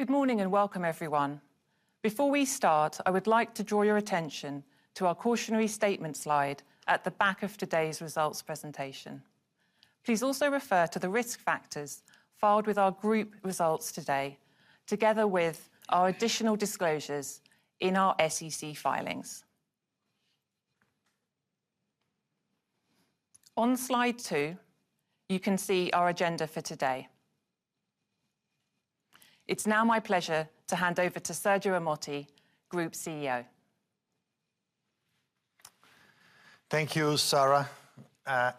Good morning, and welcome, everyone. Before we start, I would like to draw your attention to our cautionary statement slide at the back of today's results presentation. Please also refer to the risk factors filed with our group results today, together with our additional disclosures in our SEC filings. On slide two, you can see our agenda for today. It's now my pleasure to hand over to Sergio Ermotti, Group CEO. Thank you, Sarah,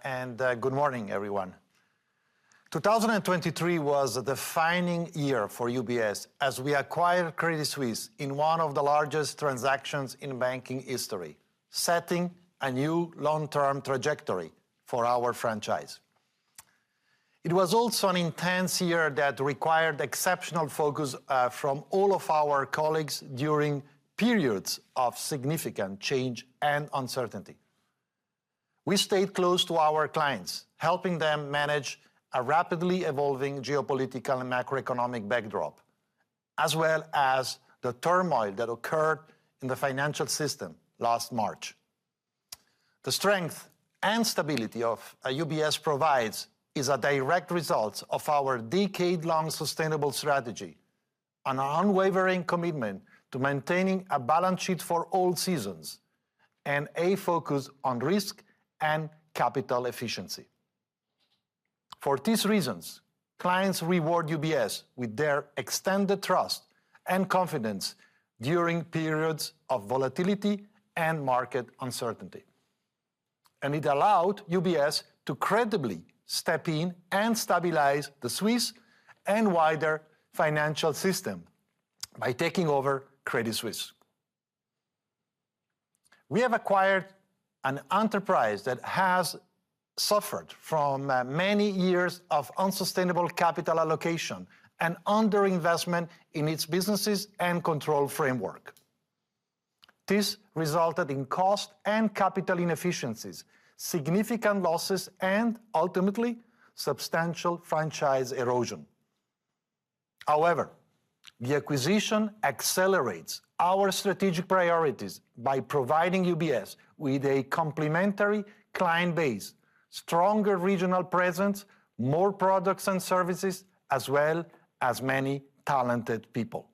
and good morning, everyone. 2023 was a defining year for UBS as we acquired Credit Suisse in one of the largest transactions in banking history, setting a new long-term trajectory for our franchise. It was also an intense year that required exceptional focus from all of our colleagues during periods of significant change and uncertainty. We stayed close to our clients, helping them manage a rapidly evolving geopolitical and macroeconomic backdrop, as well as the turmoil that occurred in the financial system last March. The strength and stability of UBS provides is a direct result of our decade-long sustainable strategy, and our unwavering commitment to maintaining a balance sheet for all seasons, and a focus on risk and capital efficiency. For these reasons, clients reward UBS with their extended trust and confidence during periods of volatility and market uncertainty. It allowed UBS to credibly step in and stabilize the Swiss and wider financial system by taking over Credit Suisse. We have acquired an enterprise that has suffered from many years of unsustainable capital allocation and underinvestment in its businesses and control framework. This resulted in cost and capital inefficiencies, significant losses, and ultimately, substantial franchise erosion. However, the acquisition accelerates our strategic priorities by providing UBS with a complementary client base, stronger regional presence, more products and services, as well as many talented people.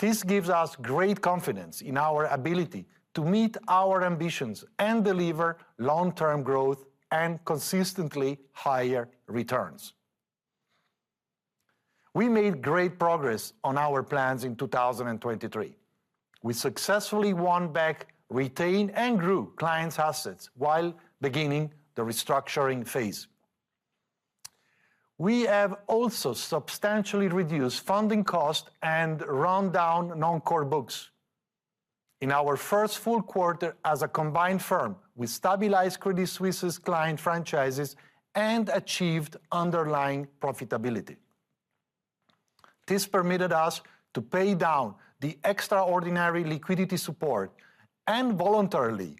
This gives us great confidence in our ability to meet our ambitions and deliver long-term growth and consistently higher returns. We made great progress on our plans in 2023. We successfully won back, retained, and grew clients' assets while beginning the restructuring phase. We have also substantially reduced funding costs and run down non-core books. In our first full quarter as a combined firm, we stabilized Credit Suisse's client franchises and achieved underlying profitability. This permitted us to pay down the extraordinary liquidity support and voluntarily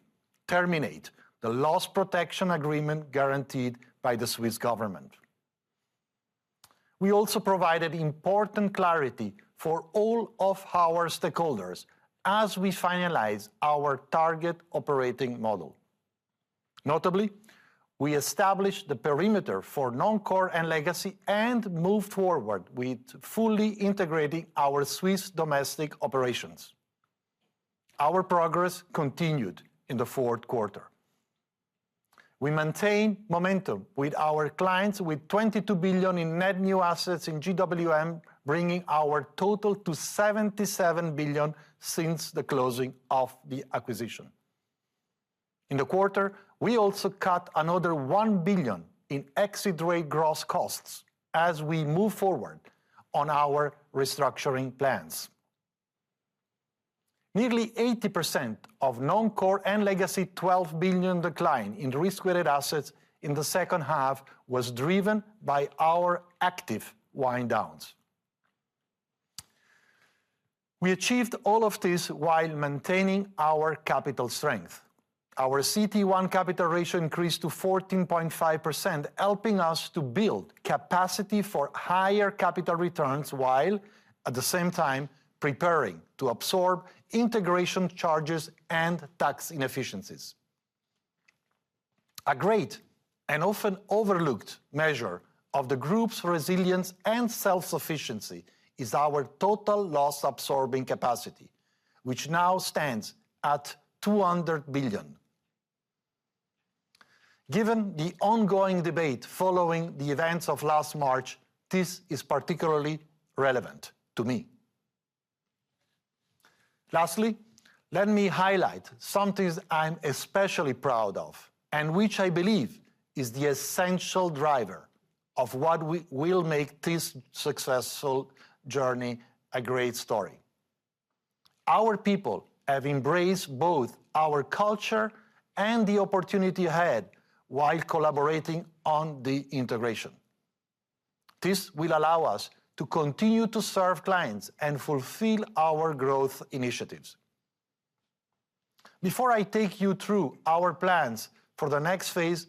terminate the loss protection agreement guaranteed by the Swiss government. We also provided important clarity for all of our stakeholders as we finalize our target operating model. Notably, we established the perimeter for Non-core and Legacy, and moved forward with fully integrating our Swiss domestic operations. Our progress continued in the fourth quarter. We maintained momentum with our clients, with 22 billion in net new assets in GWM, bringing our total to 77 billion since the closing of the acquisition. In the quarter, we also cut another 1 billion in exit rate gross costs as we move forward on our restructuring plans. Nearly 80% of Non-core and Legacy 12 billion decline in risk-weighted assets in the second half was driven by our active wind downs. We achieved all of this while maintaining our capital strength. Our CET1 capital ratio increased to 14.5%, helping us to build capacity for higher capital returns, while at the same time preparing to absorb integration charges and tax inefficiencies. A great and often overlooked measure of the group's resilience and self-sufficiency is our total loss-absorbing capacity, which now stands at 200 billion. Given the ongoing debate following the events of last March, this is particularly relevant to me. Lastly, let me highlight something I'm especially proud of, and which I believe is the essential driver of what we will make this successful journey a great story. Our people have embraced both our culture and the opportunity ahead while collaborating on the integration. This will allow us to continue to serve clients and fulfill our growth initiatives. Before I take you through our plans for the next phase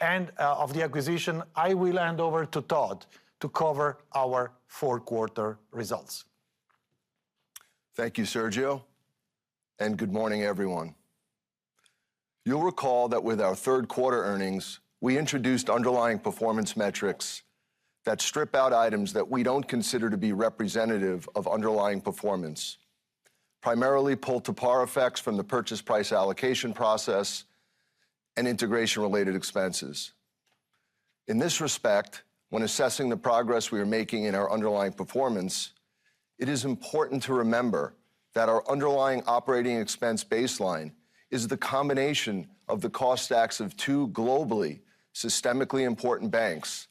and of the acquisition, I will hand over to Todd to cover our fourth quarter results. Thank you, Sergio, and good morning, everyone. You'll recall that with our third quarter earnings, we introduced underlying performance metrics that strip out items that we don't consider to be representative of underlying performance, primarily pull-to-par effects from the purchase price allocation process and integration-related expenses. In this respect, when assessing the progress we are making in our underlying performance, it is important to remember that our underlying operating expense baseline is the combination of the cost stacks of two global systemically important banks,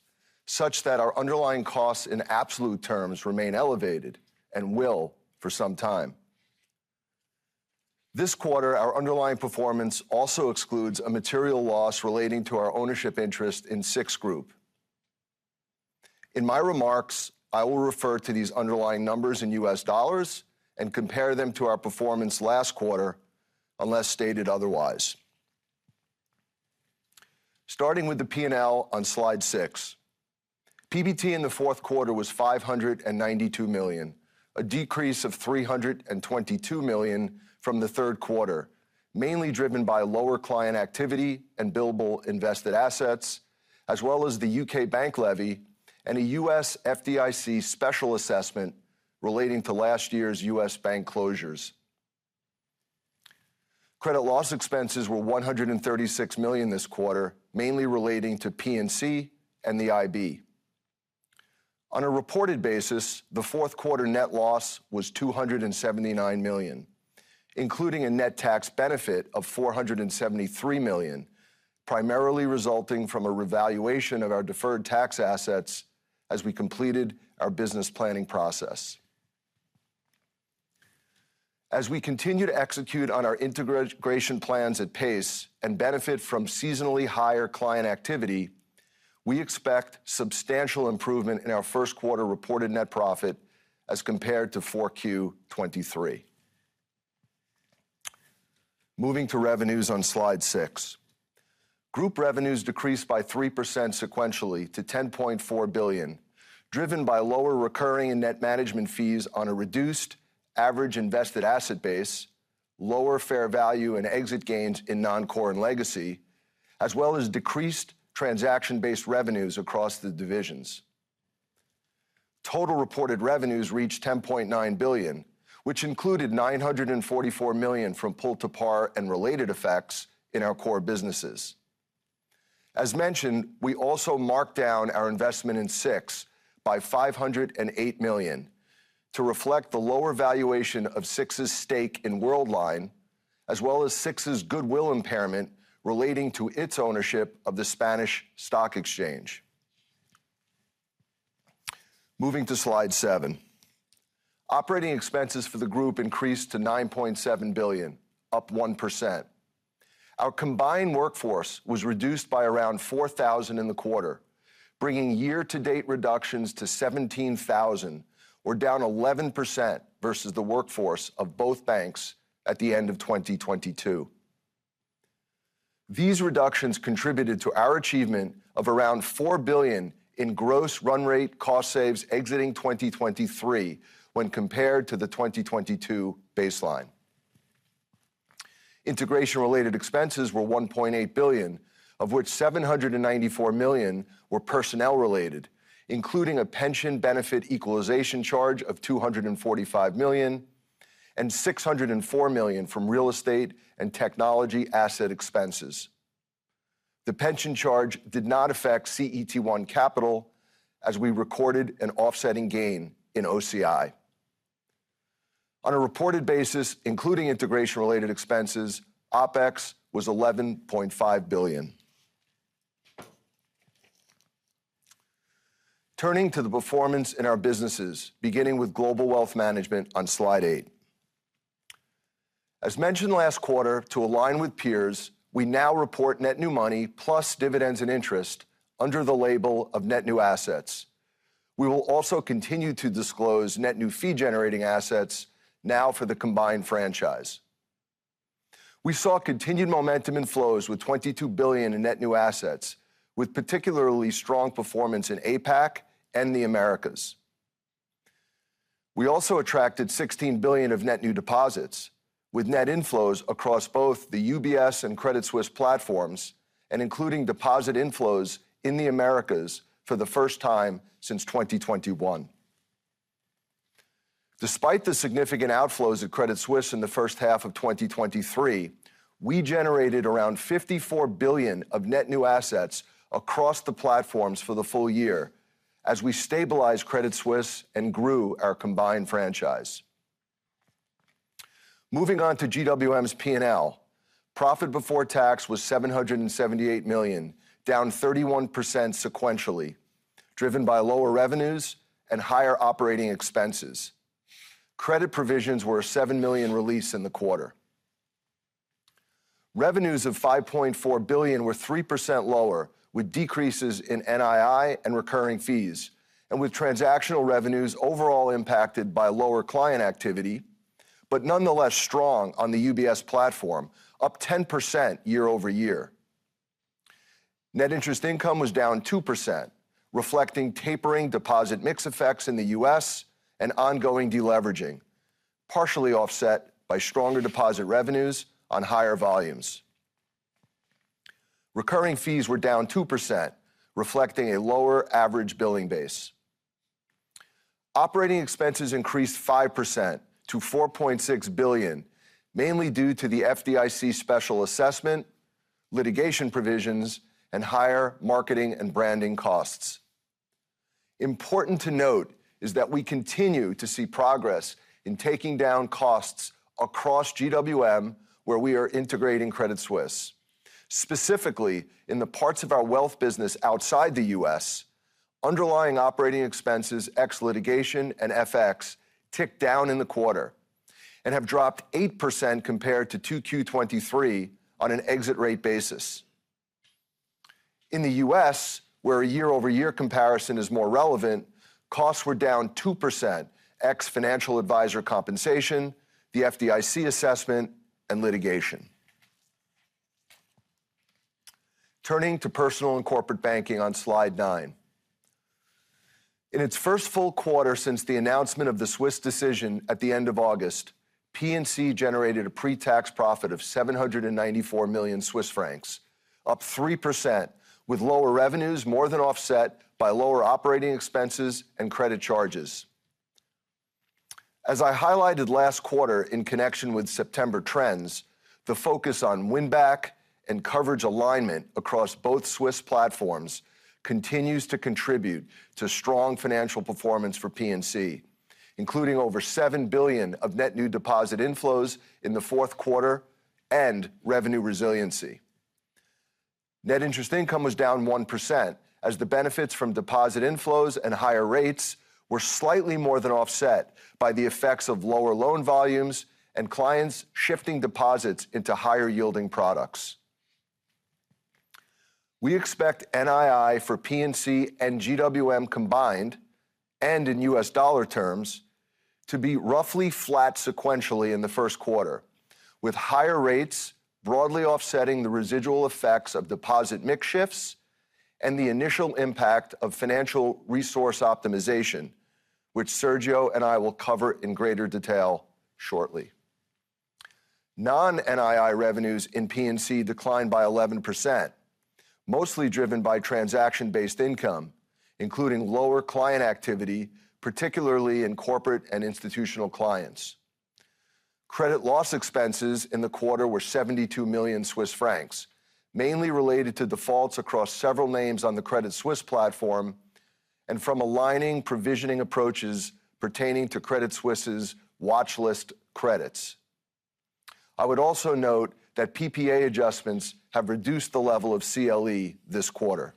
such that our underlying costs in absolute terms remain elevated and will for some time. This quarter, our underlying performance also excludes a material loss relating to our ownership interest in SIX Group. In my remarks, I will refer to these underlying numbers in U.S. dollars and compare them to our performance last quarter, unless stated otherwise. Starting with the P&L on slide six, PBT in the fourth quarter was 592 million, a decrease of 322 million from the third quarter, mainly driven by lower client activity and billable invested assets, as well as the U.K. bank levy and a U.S. FDIC special assessment relating to last year's U.S. bank closures. Credit loss expenses were 136 million this quarter, mainly relating to P&C and the IB. On a reported basis, the fourth quarter net loss was 279 million, including a net tax benefit of 473 million, primarily resulting from a revaluation of our deferred tax assets as we completed our business planning process. As we continue to execute on our integration plans at pace and benefit from seasonally higher client activity, we expect substantial improvement in our first quarter reported net profit as compared to 4Q 2023. Moving to revenues on slide six. Group revenues decreased by 3% sequentially to 10.4 billion, driven by lower recurring and net management fees on a reduced average invested asset base, lower fair value and exit gains in Non-core and Legacy, as well as decreased transaction-based revenues across the divisions. Total reported revenues reached 10.9 billion, which included 944 million from pull-to-par and related effects in our core businesses. As mentioned, we also marked down our investment in SIX by 508 million to reflect the lower valuation of SIX's stake in Worldline, as well as SIX's goodwill impairment relating to its ownership of the Spanish stock exchange. Moving to slide seven. Operating expenses for the group increased to 9.7 billion, up 1%. Our combined workforce was reduced by around 4,000 in the quarter, bringing year-to-date reductions to 17,000, or down 11% versus the workforce of both banks at the end of 2022. These reductions contributed to our achievement of around 4 billion in gross run rate cost saves exiting 2023, when compared to the 2022 baseline. Integration-related expenses were CHF 1.8 billion, of which CHF 794 million were personnel-related, including a pension benefit equalization charge of CHF 245 million and CHF 604 million from real estate and technology asset expenses. The pension charge did not affect CET1 capital, as we recorded an offsetting gain in OCI. On a reported basis, including integration-related expenses, OpEx was CHF 11.5 billion. Turning to the performance in our businesses, beginning with Global Wealth Management on slide eight. As mentioned last quarter, to align with peers, we now report net new money plus dividends and interest under the label of net new assets. We will also continue to disclose net new fee-generating assets now for the combined franchise. We saw continued momentum in flows with 22 billion in net new assets, with particularly strong performance in APAC and the Americas. We also attracted 16 billion of net new deposits, with net inflows across both the UBS and Credit Suisse platforms and including deposit inflows in the Americas for the first time since 2021. Despite the significant outflows at Credit Suisse in the first half of 2023, we generated around 54 billion of net new assets across the platforms for the full year as we stabilized Credit Suisse and grew our combined franchise. Moving on to GWM's P&L. Profit before tax was 778 million, down 31% sequentially, driven by lower revenues and higher operating expenses. Credit provisions were a 7 million release in the quarter. Revenues of 5.4 billion were 3% lower, with decreases in NII and recurring fees, and with transactional revenues overall impacted by lower client activity, but nonetheless strong on the UBS platform, up 10% year-over-year. Net interest income was down 2%, reflecting tapering deposit mix effects in the U.S. and ongoing de-leveraging, partially offset by stronger deposit revenues on higher volumes. Recurring fees were down 2%, reflecting a lower average billing base. Operating expenses increased 5% to 4.6 billion, mainly due to the FDIC special assessment, litigation provisions, and higher marketing and branding costs. Important to note is that we continue to see progress in taking down costs across GWM, where we are integrating Credit Suisse. Specifically, in the parts of our wealth business outside the U.S., underlying operating expenses, ex-litigation and FX, ticked down in the quarter and have dropped 8% compared to 2Q 2023 on an exit rate basis. In the U.S., where a year-over-year comparison is more relevant, costs were down 2%, ex-financial advisor compensation, the FDIC assessment, and litigation. Turning to Personal & Corporate Banking on slide nine. In its first full quarter since the announcement of the Swiss decision at the end of August, P&C generated a pre-tax profit of 794 million Swiss francs, up 3%, with lower revenues more than offset by lower operating expenses and credit charges. As I highlighted last quarter in connection with September trends, the focus on win back and coverage alignment across both Swiss platforms continues to contribute to strong financial performance for P&C, including over 7 billion of net new deposit inflows in the fourth quarter and revenue resiliency. Net interest income was down 1%, as the benefits from deposit inflows and higher rates were slightly more than offset by the effects of lower loan volumes and clients shifting deposits into higher-yielding products. We expect NII for P&C and GWM combined, and in U.S. dollar terms, to be roughly flat sequentially in the first quarter, with higher rates broadly offsetting the residual effects of deposit mix shifts and the initial impact of financial resource optimization, which Sergio and I will cover in greater detail shortly. Non-NII revenues in P&C declined by 11%, mostly driven by transaction-based income, including lower client activity, particularly in corporate and institutional clients. Credit loss expenses in the quarter were 72 million Swiss francs, mainly related to defaults across several names on the Credit Suisse platform and from aligning provisioning approaches pertaining to Credit Suisse's watchlist credits. I would also note that PPA adjustments have reduced the level of CLE this quarter.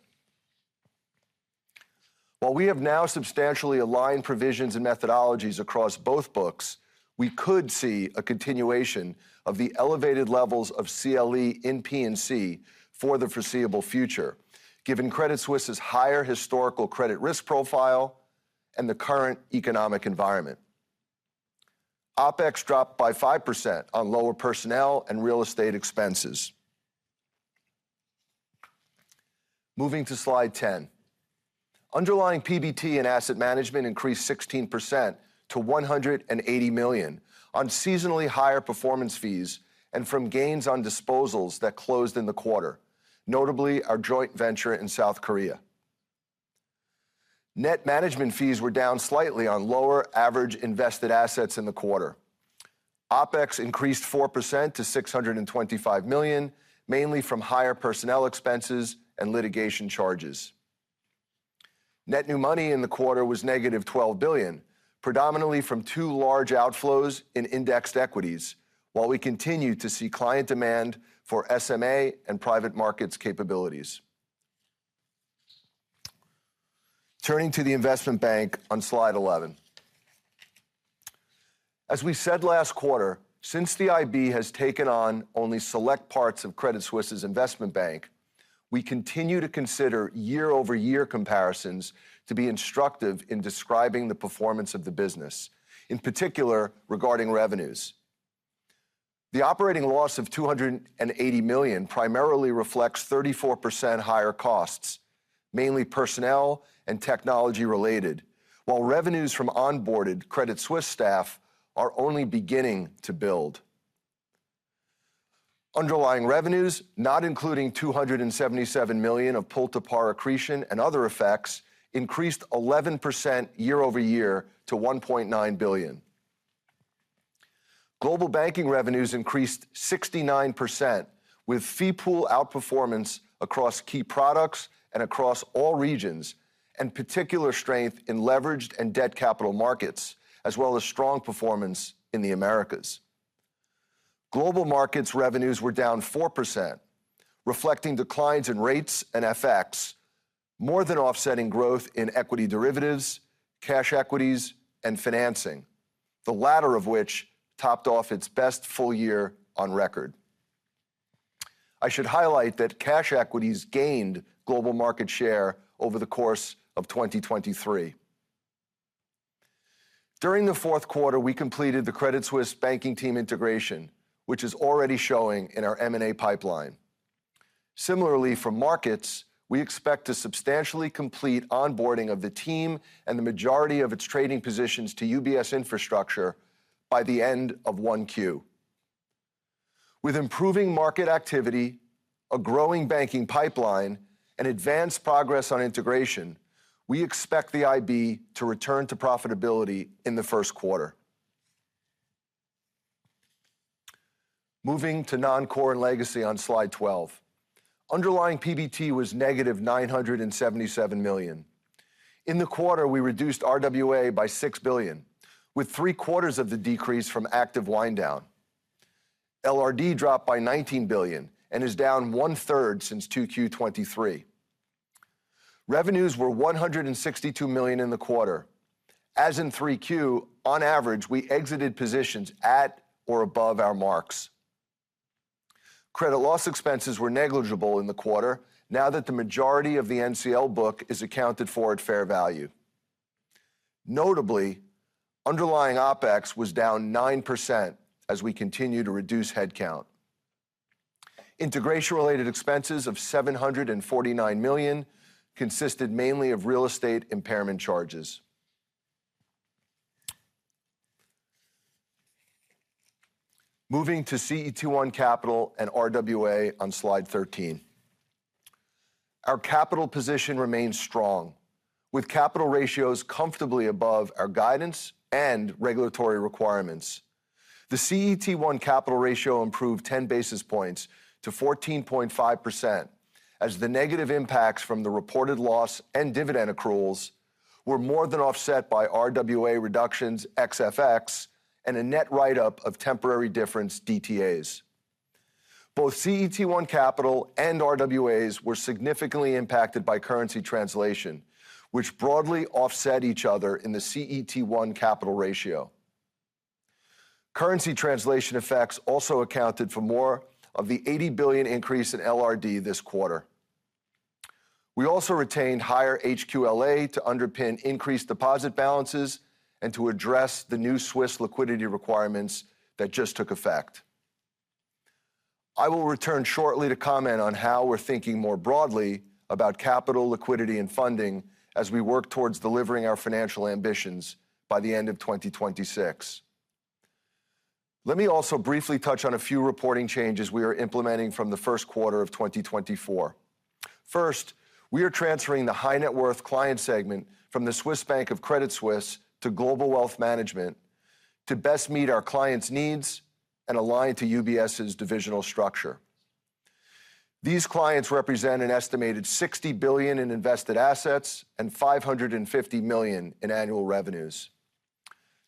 While we have now substantially aligned provisions and methodologies across both books, we could see a continuation of the elevated levels of CLE in P&C for the foreseeable future, given Credit Suisse's higher historical credit risk profile and the current economic environment. OpEx dropped by 5% on lower personnel and real estate expenses. Moving to slide 10. Underlying PBT in Asset Management increased 16% to 180 million on seasonally higher performance fees and from gains on disposals that closed in the quarter, notably our joint venture in South Korea. Net management fees were down slightly on lower average invested assets in the quarter. OpEx increased 4% to 625 million, mainly from higher personnel expenses and litigation charges. Net new money in the quarter was -12 billion, predominantly from two large outflows in indexed equities, while we continue to see client demand for SMA and private markets capabilities. Turning to the Investment Bank on slide 11. As we said last quarter, since the IB has taken on only select parts of Credit Suisse's Investment Bank, we continue to consider year-over-year comparisons to be instructive in describing the performance of the business, in particular regarding revenues. The operating loss of 280 million primarily reflects 34% higher costs, mainly personnel and technology-related, while revenues from onboarded Credit Suisse staff are only beginning to build. Underlying revenues, not including 277 million of pull-to-par accretion and other effects, increased 11% year-over-year to 1.9 billion. Global Banking revenues increased 69%, with fee pool outperformance across key products and across all regions, and particular strength in leveraged and debt capital markets, as well as strong performance in the Americas. Global Markets revenues were down 4%, reflecting declines in rates and FX—more than offsetting growth in equity derivatives, cash equities, and financing, the latter of which topped off its best full year on record. I should highlight that cash equities gained global market share over the course of 2023. During the fourth quarter, we completed the Credit Suisse banking team integration, which is already showing in our M&A pipeline. Similarly, for markets, we expect to substantially complete onboarding of the team and the majority of its trading positions to UBS infrastructure by the end of 1Q. With improving market activity, a growing banking pipeline, and advanced progress on integration, we expect the IB to return to profitability in the first quarter. Moving to Non-core and Legacy on slide 12. Underlying PBT was -977 million. In the quarter, we reduced RWA by 6 billion, with three-quarters of the decrease from active wind down. LRD dropped by 19 billion and is down one-third since 2Q 2023. Revenues were 162 million in the quarter. As in 3Q, on average, we exited positions at or above our marks. Credit loss expenses were negligible in the quarter, now that the majority of the NCL book is accounted for at fair value. Notably, underlying OpEx was down 9% as we continue to reduce headcount. Integration-related expenses of 749 million consisted mainly of real estate impairment charges. Moving to CET1 capital and RWA on slide 13. Our capital position remains strong, with capital ratios comfortably above our guidance and regulatory requirements. The CET1 capital ratio improved 10 basis points to 14.5%, as the negative impacts from the reported loss and dividend accruals were more than offset by RWA reductions ex-FX, and a net write-up of temporary difference DTAs. Both CET1 capital and RWAs were significantly impacted by currency translation, which broadly offset each other in the CET1 capital ratio. Currency translation effects also accounted for more of the 80 billion increase in LRD this quarter. We also retained higher HQLA to underpin increased deposit balances and to address the new Swiss liquidity requirements that just took effect. I will return shortly to comment on how we're thinking more broadly about capital, liquidity, and funding as we work towards delivering our financial ambitions by the end of 2026. Let me also briefly touch on a few reporting changes we are implementing from the first quarter of 2024. First, we are transferring the high net worth client segment from the Swiss bank of Credit Suisse to Global Wealth Management to best meet our clients' needs and align to UBS's divisional structure. These clients represent an estimated 60 billion in invested assets and 550 million in annual revenues.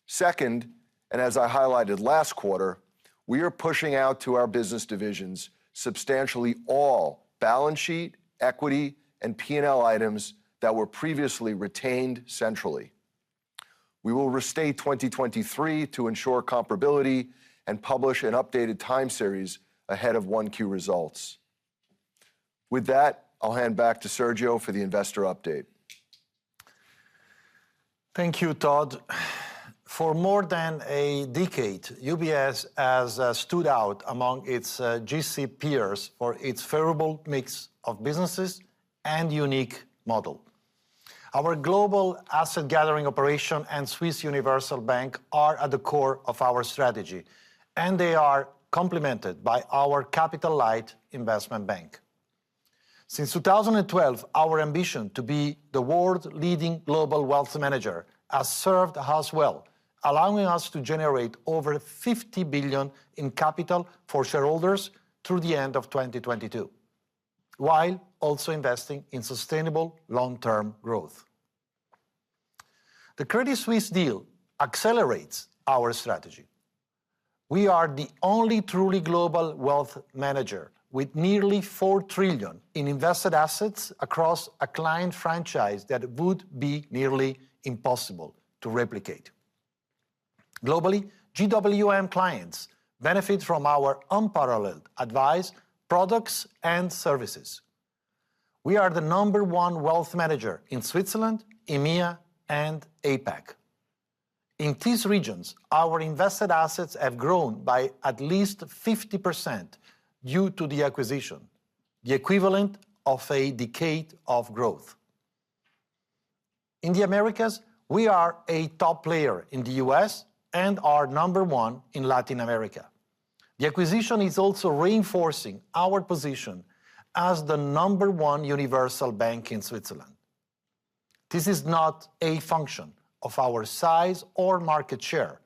Second, and as I highlighted last quarter, we are pushing out to our business divisions substantially all balance sheet, equity, and P&L items that were previously retained centrally. We will restate 2023 to ensure comparability and publish an updated time series ahead of 1Q results. With that, I'll hand back to Sergio for the investor update. Thank you, Todd. For more than a decade, UBS has stood out among its G-SIB peers for its favorable mix of businesses and unique model. Our global asset gathering operation and Swiss Universal Bank are at the core of our strategy, and they are complemented by our capital-light Investment Bank. Since 2012, our ambition to be the world's leading global wealth manager has served us well, allowing us to generate over 50 billion in capital for shareholders through the end of 2022, while also investing in sustainable long-term growth. The Credit Suisse deal accelerates our strategy. We are the only truly global wealth manager with nearly 4 trillion in invested assets across a client franchise that would be nearly impossible to replicate. Globally, GWM clients benefit from our unparalleled advice, products, and services. We are the number one wealth manager in Switzerland, EMEA, and APAC. In these regions, our invested assets have grown by at least 50% due to the acquisition, the equivalent of a decade of growth. In the Americas, we are a top player in the U.S. and are number one in Latin America. The acquisition is also reinforcing our position as the number one universal bank in Switzerland. This is not a function of our size or market share,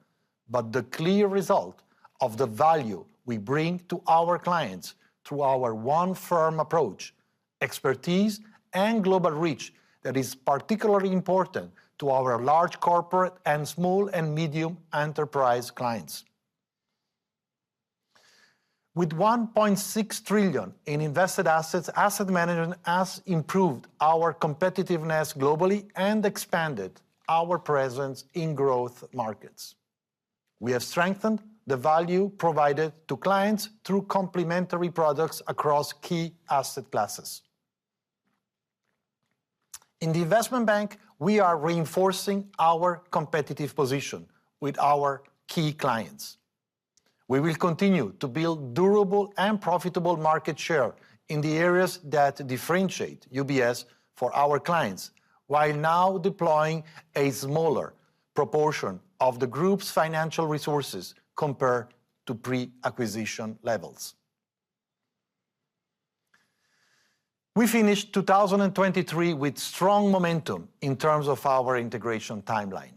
but the clear result of the value we bring to our clients through our one-firm approach, expertise, and global reach that is particularly important to our large corporate and small and medium enterprise clients. With 1.6 trillion in invested assets, Asset Management has improved our competitiveness globally and expanded our presence in growth markets. We have strengthened the value provided to clients through complementary products across key asset classes. In the Investment Bank, we are reinforcing our competitive position with our key clients. We will continue to build durable and profitable market share in the areas that differentiate UBS for our clients, while now deploying a smaller proportion of the group's financial resources compared to pre-acquisition levels. We finished 2023 with strong momentum in terms of our integration timeline.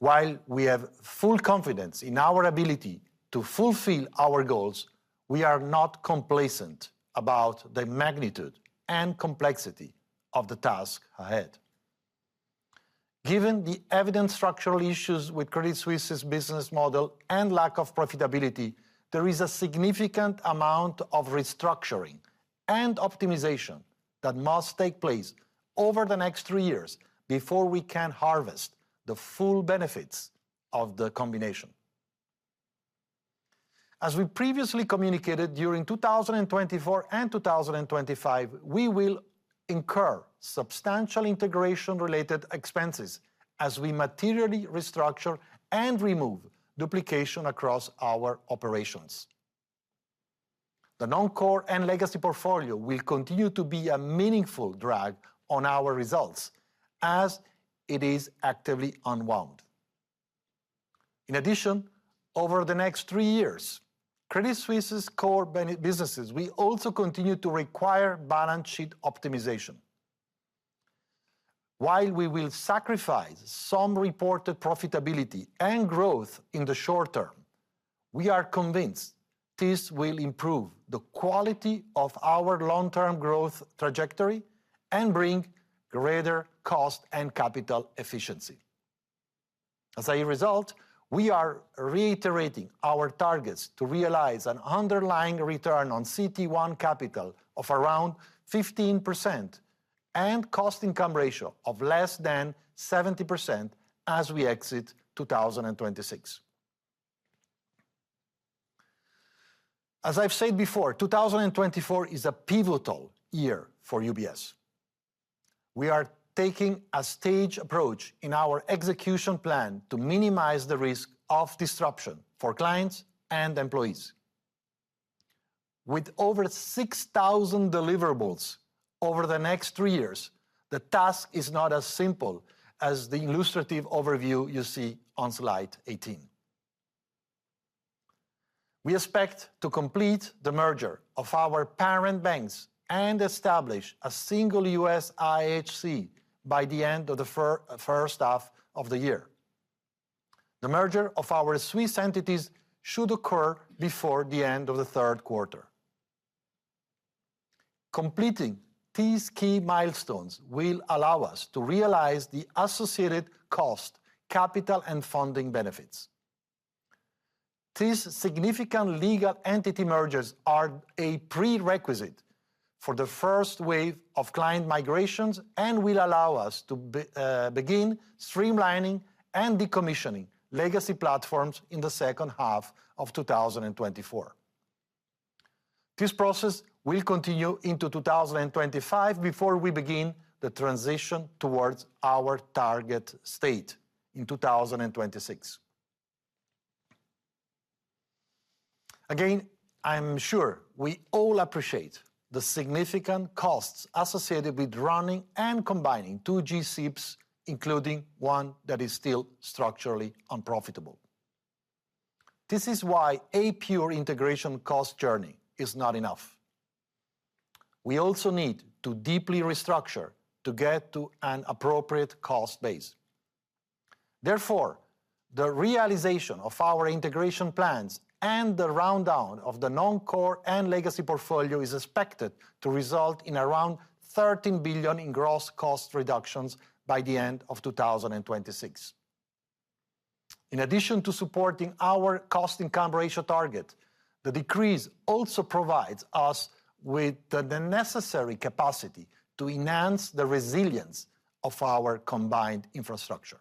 While we have full confidence in our ability to fulfill our goals, we are not complacent about the magnitude and complexity of the task ahead. Given the evident structural issues with Credit Suisse's business model and lack of profitability, there is a significant amount of restructuring and optimization that must take place over the next three years before we can harvest the full benefits of the combination. As we previously communicated, during 2024 and 2025, we will incur substantial integration-related expenses as we materially restructure and remove duplication across our operations. The Non-core and Legacy portfolio will continue to be a meaningful drag on our results as it is actively unwound. In addition, over the next three years, Credit Suisse's core businesses will also continue to require balance sheet optimization. While we will sacrifice some reported profitability and growth in the short term, we are convinced this will improve the quality of our long-term growth trajectory and bring greater cost and capital efficiency. As a result, we are reiterating our targets to realize an underlying return on CET1 capital of around 15% and cost-income ratio of less than 70% as we exit 2026. As I've said before, 2024 is a pivotal year for UBS. We are taking a staged approach in our execution plan to minimize the risk of disruption for clients and employees. With over 6,000 deliverables over the next three years, the task is not as simple as the illustrative overview you see on slide 18. We expect to complete the merger of our parent banks and establish a single U.S. IHC by the end of the first half of the year. The merger of our Swiss entities should occur before the end of the third quarter. Completing these key milestones will allow us to realize the associated cost, capital, and funding benefits. These significant legal entity mergers are a prerequisite for the first wave of client migrations and will allow us to begin streamlining and decommissioning legacy platforms in the second half of 2024. This process will continue into 2025 before we begin the transition towards our target state in 2026. Again, I'm sure we all appreciate the significant costs associated with running and combining two G-SIBs, including one that is still structurally unprofitable. This is why a pure integration cost journey is not enough. We also need to deeply restructure to get to an appropriate cost base. Therefore, the realization of our integration plans and the rundown of the Non-core and Legacy portfolio is expected to result in around 13 billion in gross cost reductions by the end of 2026. In addition to supporting our cost-income ratio target, the decrease also provides us with the necessary capacity to enhance the resilience of our combined infrastructure.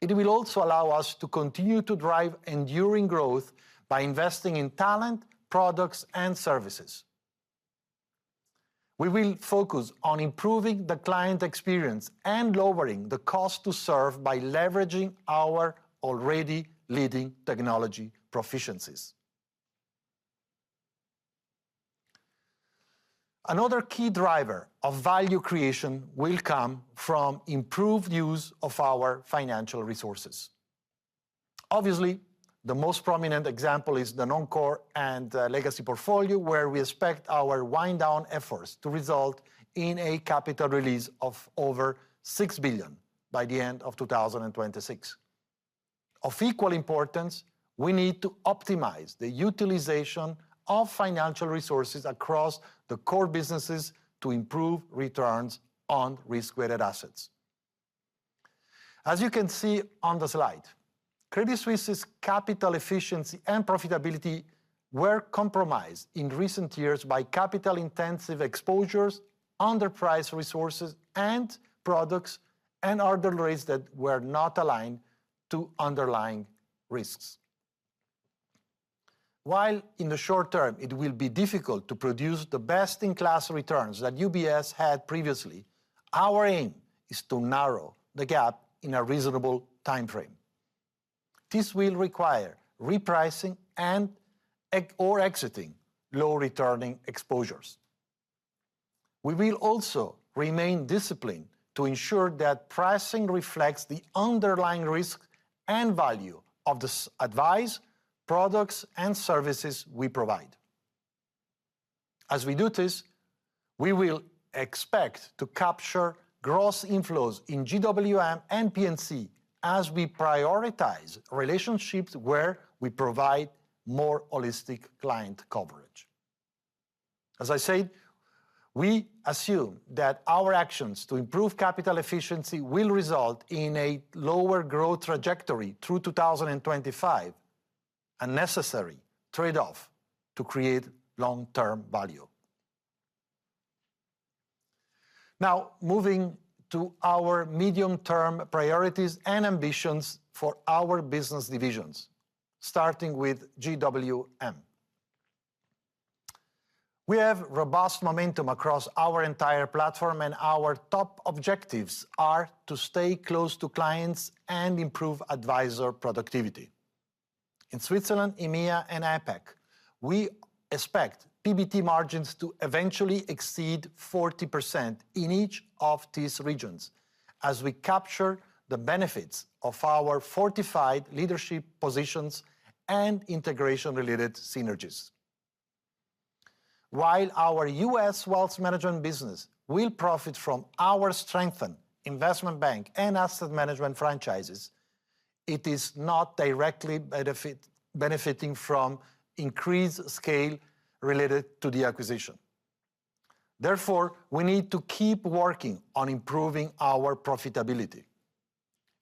It will also allow us to continue to drive enduring growth by investing in talent, products, and services. We will focus on improving the client experience and lowering the cost to serve by leveraging our already leading technology proficiencies. Another key driver of value creation will come from improved use of our financial resources. Obviously, the most prominent example is the Non-core and Legacy portfolio, where we expect our wind-down efforts to result in a capital release of over 6 billion by the end of 2026. Of equal importance, we need to optimize the utilization of financial resources across the core businesses to improve returns on risk-weighted assets. As you can see on the slide, Credit Suisse's capital efficiency and profitability were compromised in recent years by capital-intensive exposures, underpriced resources, and products and other risks that were not aligned to underlying risks. While in the short term, it will be difficult to produce the best-in-class returns that UBS had previously, our aim is to narrow the gap in a reasonable timeframe. This will require repricing and exiting low-returning exposures. We will also remain disciplined to ensure that pricing reflects the underlying risk and value of the advice, products, and services we provide. As we do this, we will expect to capture gross inflows in GWM and P&C as we prioritize relationships where we provide more holistic client coverage. As I said, we assume that our actions to improve capital efficiency will result in a lower growth trajectory through 2025, a necessary trade-off to create long-term value. Now, moving to our medium-term priorities and ambitions for our business divisions, starting with GWM. We have robust momentum across our entire platform, and our top objectives are to stay close to clients and improve advisor productivity. In Switzerland, EMEA, and APAC, we expect PBT margins to eventually exceed 40% in each of these regions as we capture the benefits of our fortified leadership positions and integration-related synergies. While our U.S. wealth management business will profit from our strengthened Investment Bank and Asset Management franchises, it is not directly benefiting from increased scale related to the acquisition. Therefore, we need to keep working on improving our profitability.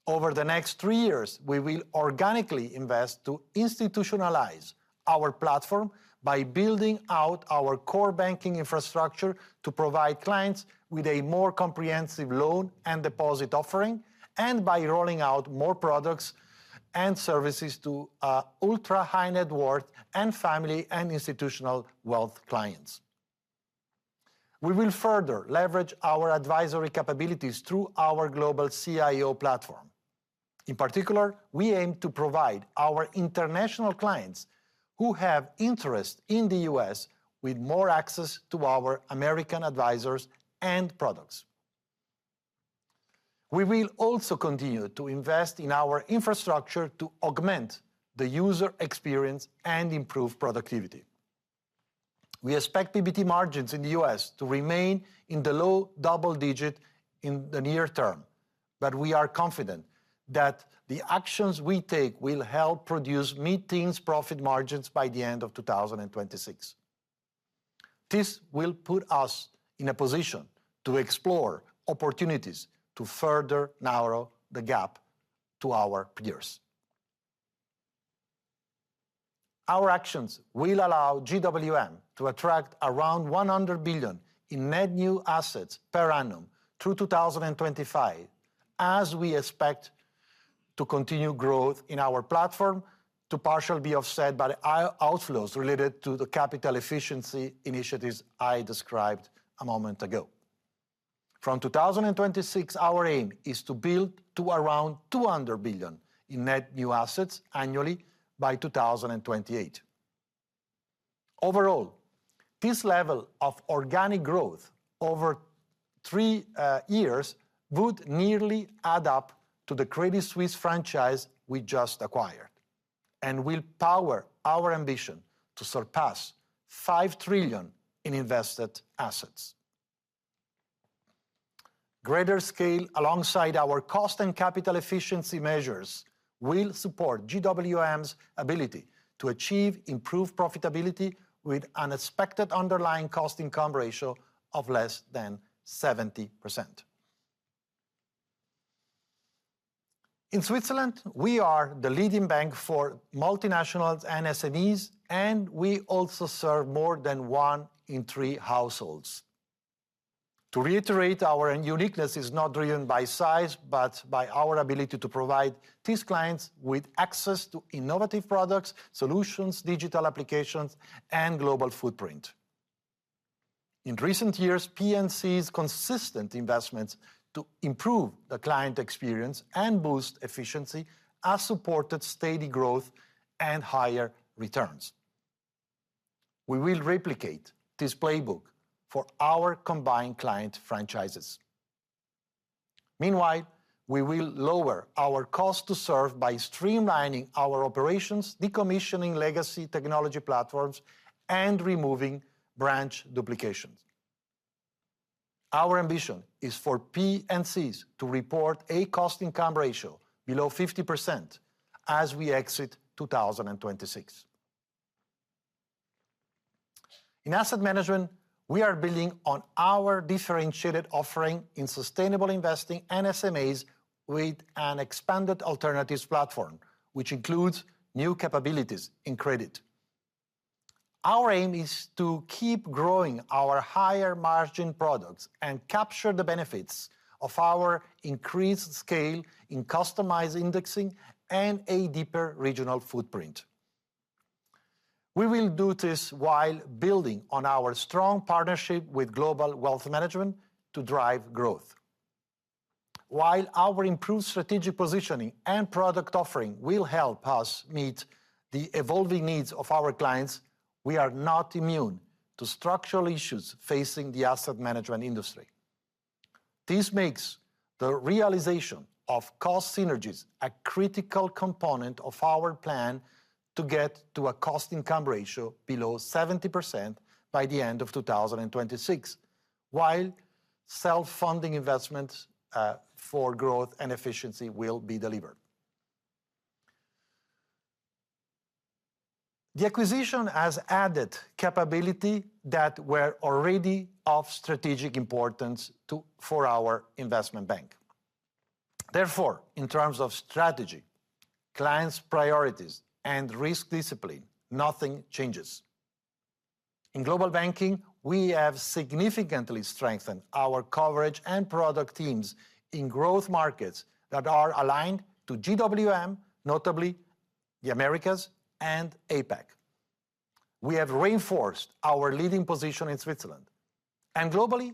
Over the next three years, we will organically invest to institutionalize our platform by building out our core banking infrastructure to provide clients with a more comprehensive loan and deposit offering, and by rolling out more products and services to ultra-high net worth and family and institutional wealth clients. We will further leverage our advisory capabilities through our global CIO platform. In particular, we aim to provide our international clients, who have interest in the U.S., with more access to our American advisors and products. We will also continue to invest in our infrastructure to augment the user experience and improve productivity. We expect PBT margins in the U.S. to remain in the low double digit in the near term, but we are confident that the actions we take will help produce mid-teens profit margins by the end of 2026. This will put us in a position to explore opportunities to further narrow the gap to our peers. Our actions will allow GWM to attract around 100 billion in net new assets per annum through 2025, as we expect to continue growth in our platform to partially be offset by outflows related to the capital efficiency initiatives I described a moment ago. From 2026, our aim is to build to around 200 billion in net new assets annually by 2028. Overall, this level of organic growth over three years would nearly add up to the Credit Suisse franchise we just acquired and will power our ambition to surpass 5 trillion in invested assets. Greater scale, alongside our cost and capital efficiency measures, will support GWM's ability to achieve improved profitability with an expected underlying cost-income ratio of less than 70%. In Switzerland, we are the leading bank for multinationals and SMEs, and we also serve more than one in three households. To reiterate, our uniqueness is not driven by size, but by our ability to provide these clients with access to innovative products, solutions, digital applications, and global footprint. In recent years, P&C's consistent investments to improve the client experience and boost efficiency have supported steady growth and higher returns. We will replicate this playbook for our combined client franchises. Meanwhile, we will lower our cost to serve by streamlining our operations, decommissioning legacy technology platforms, and removing branch duplications. Our ambition is for P&Cs to report a cost-income ratio below 50% as we exit 2026. In Asset Management, we are building on our differentiated offering in sustainable investing and SMAs with an expanded alternatives platform, which includes new capabilities in credit. Our aim is to keep growing our higher margin products and capture the benefits of our increased scale in customized indexing and a deeper regional footprint. We will do this while building on our strong partnership with Global Wealth Management to drive growth. While our improved strategic positioning and product offering will help us meet the evolving needs of our clients, we are not immune to structural issues facing the asset management industry. This makes the realization of cost synergies a critical component of our plan to get to a cost-income ratio below 70% by the end of 2026, while self-funding investments for growth and efficiency will be delivered. The acquisition has added capability that were already of strategic importance for our Investment Bank. Therefore, in terms of strategy, clients' priorities, and risk discipline, nothing changes. In Global Banking, we have significantly strengthened our coverage and product teams in growth markets that are aligned to GWM, notably the Americas and APAC. We have reinforced our leading position in Switzerland, and globally,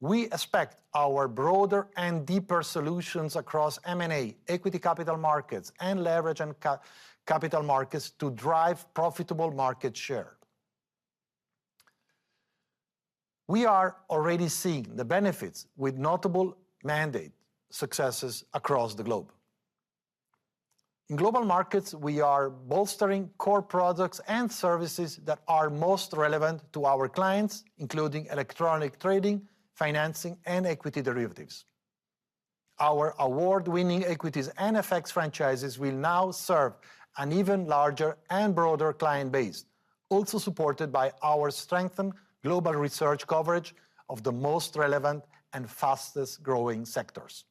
we expect our broader and deeper solutions across M&A, equity capital markets, and leverage and capital markets to drive profitable market share. We are already seeing the benefits with notable mandate successes across the globe. In Global Markets, we are bolstering core products and services that are most relevant to our clients, including electronic trading, financing, and equity derivatives. Our award-winning equities and FX franchises will now serve an even larger and broader client base, also supported by our strengthened global research coverage of the most relevant and fastest-growing sectors.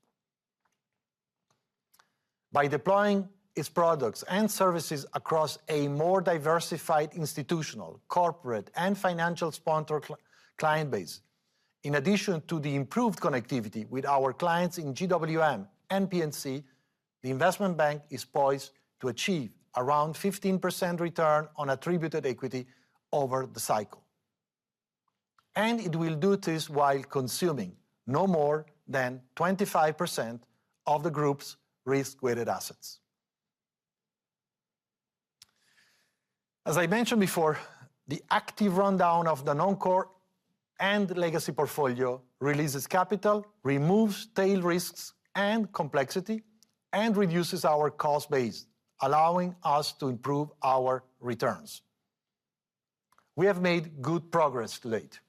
By deploying its products and services across a more diversified institutional, corporate, and financial sponsor client base, in addition to the improved connectivity with our clients in GWM and P&C, the Investment Bank is poised to achieve around 15% return on attributed equity over the cycle. It will do this while consuming no more than 25% of the group's risk-weighted assets. As I mentioned before, the active rundown of the Non-core and Legacy portfolio releases capital, removes tail risks and complexity, and reduces our cost base, allowing us to improve our returns. We have made good progress to date.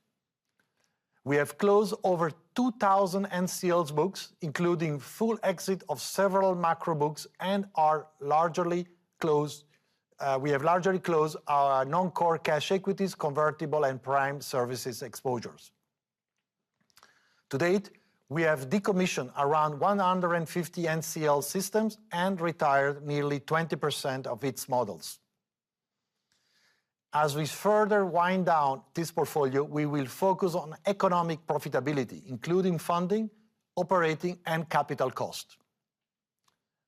We have closed over 2,000 NCLs books, including full exit of several macro books, and are largely closed. We have largely closed our non-core cash equities, convertible, and prime services exposures. To date, we have decommissioned around 150 NCL systems and retired nearly 20% of its models. As we further wind down this portfolio, we will focus on economic profitability, including funding, operating, and capital cost.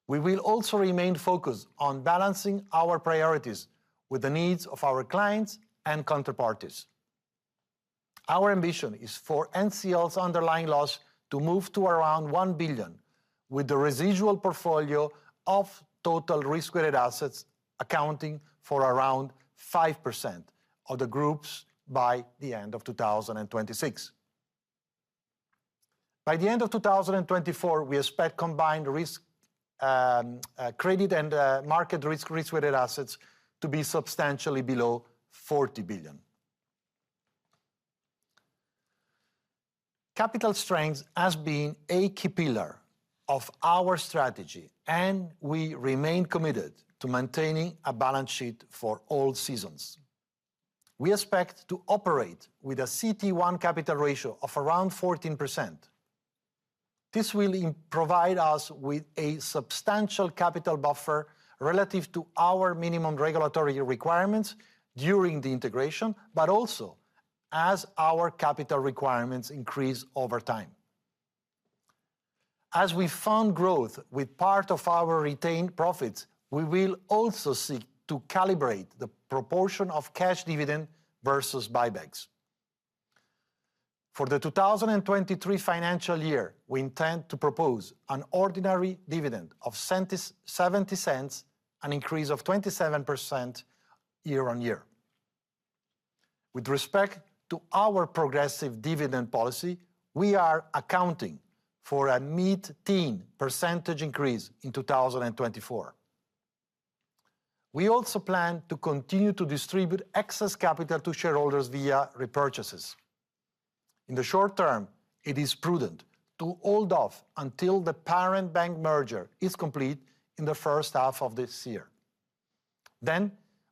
We will also remain focused on balancing our priorities with the needs of our clients and counterparties. Our ambition is for NCL's underlying loss to move to around 1 billion, with the residual portfolio of total risk-weighted assets accounting for around 5% of the Group's by the end of 2026. By the end of 2024, we expect combined risk, credit and, market risk, risk-weighted assets to be substantially below 40 billion. Capital strength has been a key pillar of our strategy, and we remain committed to maintaining a balance sheet for all seasons. We expect to operate with a CET1 capital ratio of around 14%. This will provide us with a substantial capital buffer relative to our minimum regulatory requirements during the integration, but also as our capital requirements increase over time. As we fund growth with part of our retained profits, we will also seek to calibrate the proportion of cash dividend versus buybacks. For the 2023 financial year, we intend to propose an ordinary dividend of 0.70, an increase of 27% year-on-year. With respect to our progressive dividend policy, we are accounting for a mid-teen % increase in 2024. We also plan to continue to distribute excess capital to shareholders via repurchases. In the short term, it is prudent to hold off until the parent bank merger is complete in the first half of this year. Then,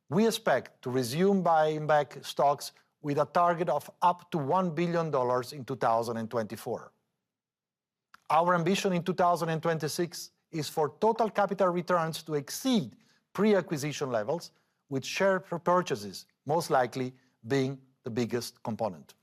we expect to resume buying back stocks with a target of up to CHF 1 billion in 2024. Our ambition in 2026 is for total capital returns to exceed pre-acquisition levels, with share repurchases most likely being the biggest component.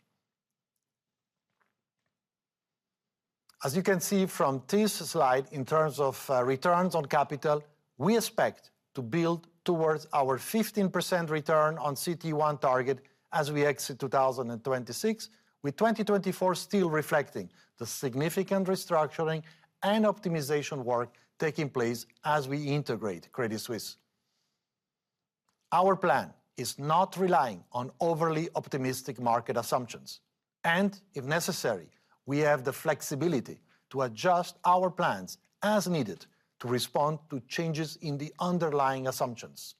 As you can see from this slide, in terms of returns on capital, we expect to build towards our 15% return on CET1 target as we exit 2026, with 2024 still reflecting the significant restructuring and optimization work taking place as we integrate Credit Suisse. Our plan is not relying on overly optimistic market assumptions, and if necessary, we have the flexibility to adjust our plans as needed to respond to changes in the underlying assumptions.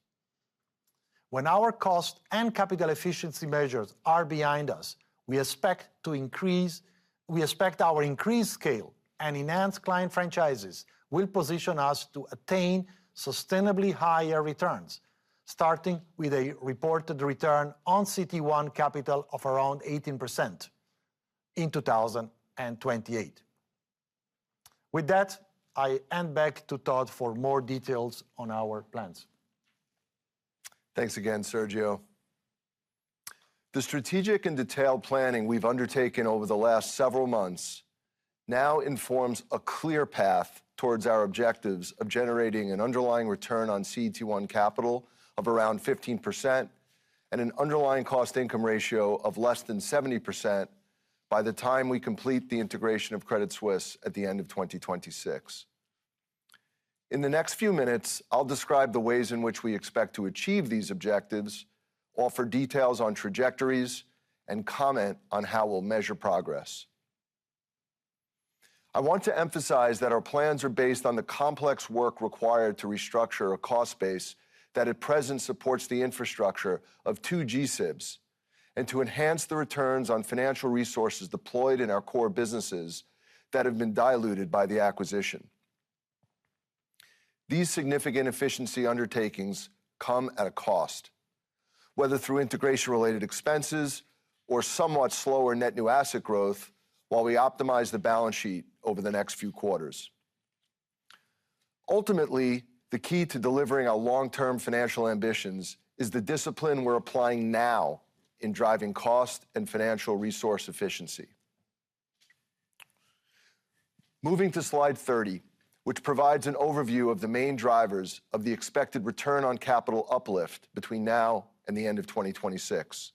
When our cost and capital efficiency measures are behind us, we expect our increased scale and enhanced client franchises will position us to attain sustainably higher returns, starting with a reported return on CET1 capital of around 18% in 2028. With that, I hand back to Todd for more details on our plans. Thanks again, Sergio. The strategic and detailed planning we've undertaken over the last several months now informs a clear path towards our objectives of generating an underlying return on CET1 capital of around 15% and an underlying cost-income ratio of less than 70% by the time we complete the integration of Credit Suisse at the end of 2026. In the next few minutes, I'll describe the ways in which we expect to achieve these objectives, offer details on trajectories, and comment on how we'll measure progress. I want to emphasize that our plans are based on the complex work required to restructure a cost base that at present supports the infrastructure of two G-SIBs, and to enhance the returns on financial resources deployed in our core businesses that have been diluted by the acquisition. These significant efficiency undertakings come at a cost, whether through integration-related expenses or somewhat slower net new asset growth while we optimize the balance sheet over the next few quarters. Ultimately, the key to delivering our long-term financial ambitions is the discipline we're applying now in driving cost and financial resource efficiency. Moving to slide 30, which provides an overview of the main drivers of the expected return on capital uplift between now and the end of 2026.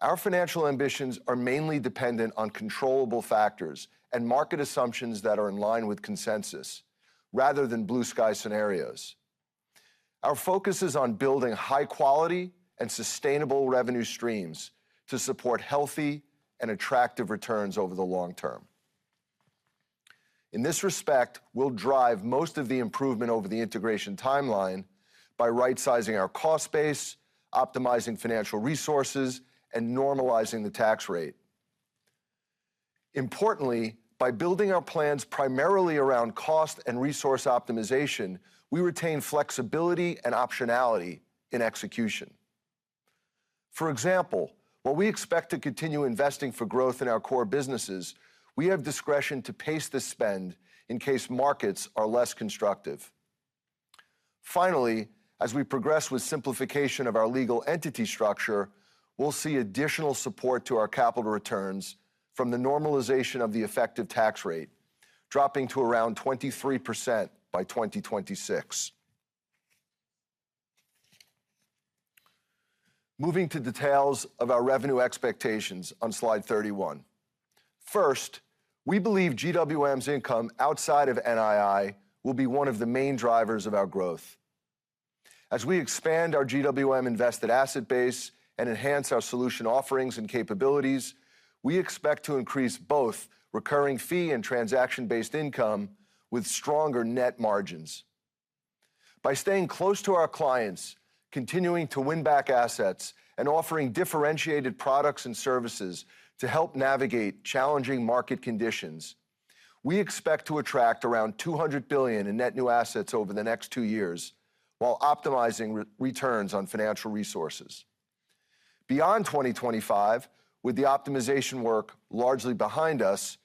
Our financial ambitions are mainly dependent on controllable factors and market assumptions that are in line with consensus, rather than blue sky scenarios. Our focus is on building high-quality and sustainable revenue streams to support healthy and attractive returns over the long term. In this respect, we'll drive most of the improvement over the integration timeline by right-sizing our cost base, optimizing financial resources, and normalizing the tax rate. Importantly, by building our plans primarily around cost and resource optimization, we retain flexibility and optionality in execution. For example, while we expect to continue investing for growth in our core businesses, we have discretion to pace the spend in case markets are less constructive. Finally, as we progress with simplification of our legal entity structure, we'll see additional support to our capital returns from the normalization of the effective tax rate, dropping to around 23% by 2026. Moving to details of our revenue expectations on slide 31. First, we believe GWM's income outside of NII will be one of the main drivers of our growth. As we expand our GWM invested asset base and enhance our solution offerings and capabilities, we expect to increase both recurring fee and transaction-based income with stronger net margins. By staying close to our clients, continuing to win back assets, and offering differentiated products and services to help navigate challenging market conditions, we expect to attract around 200 billion in net new assets over the next two years, while optimizing returns on financial resources. Beyond 2025, with the optimization work largely behind us,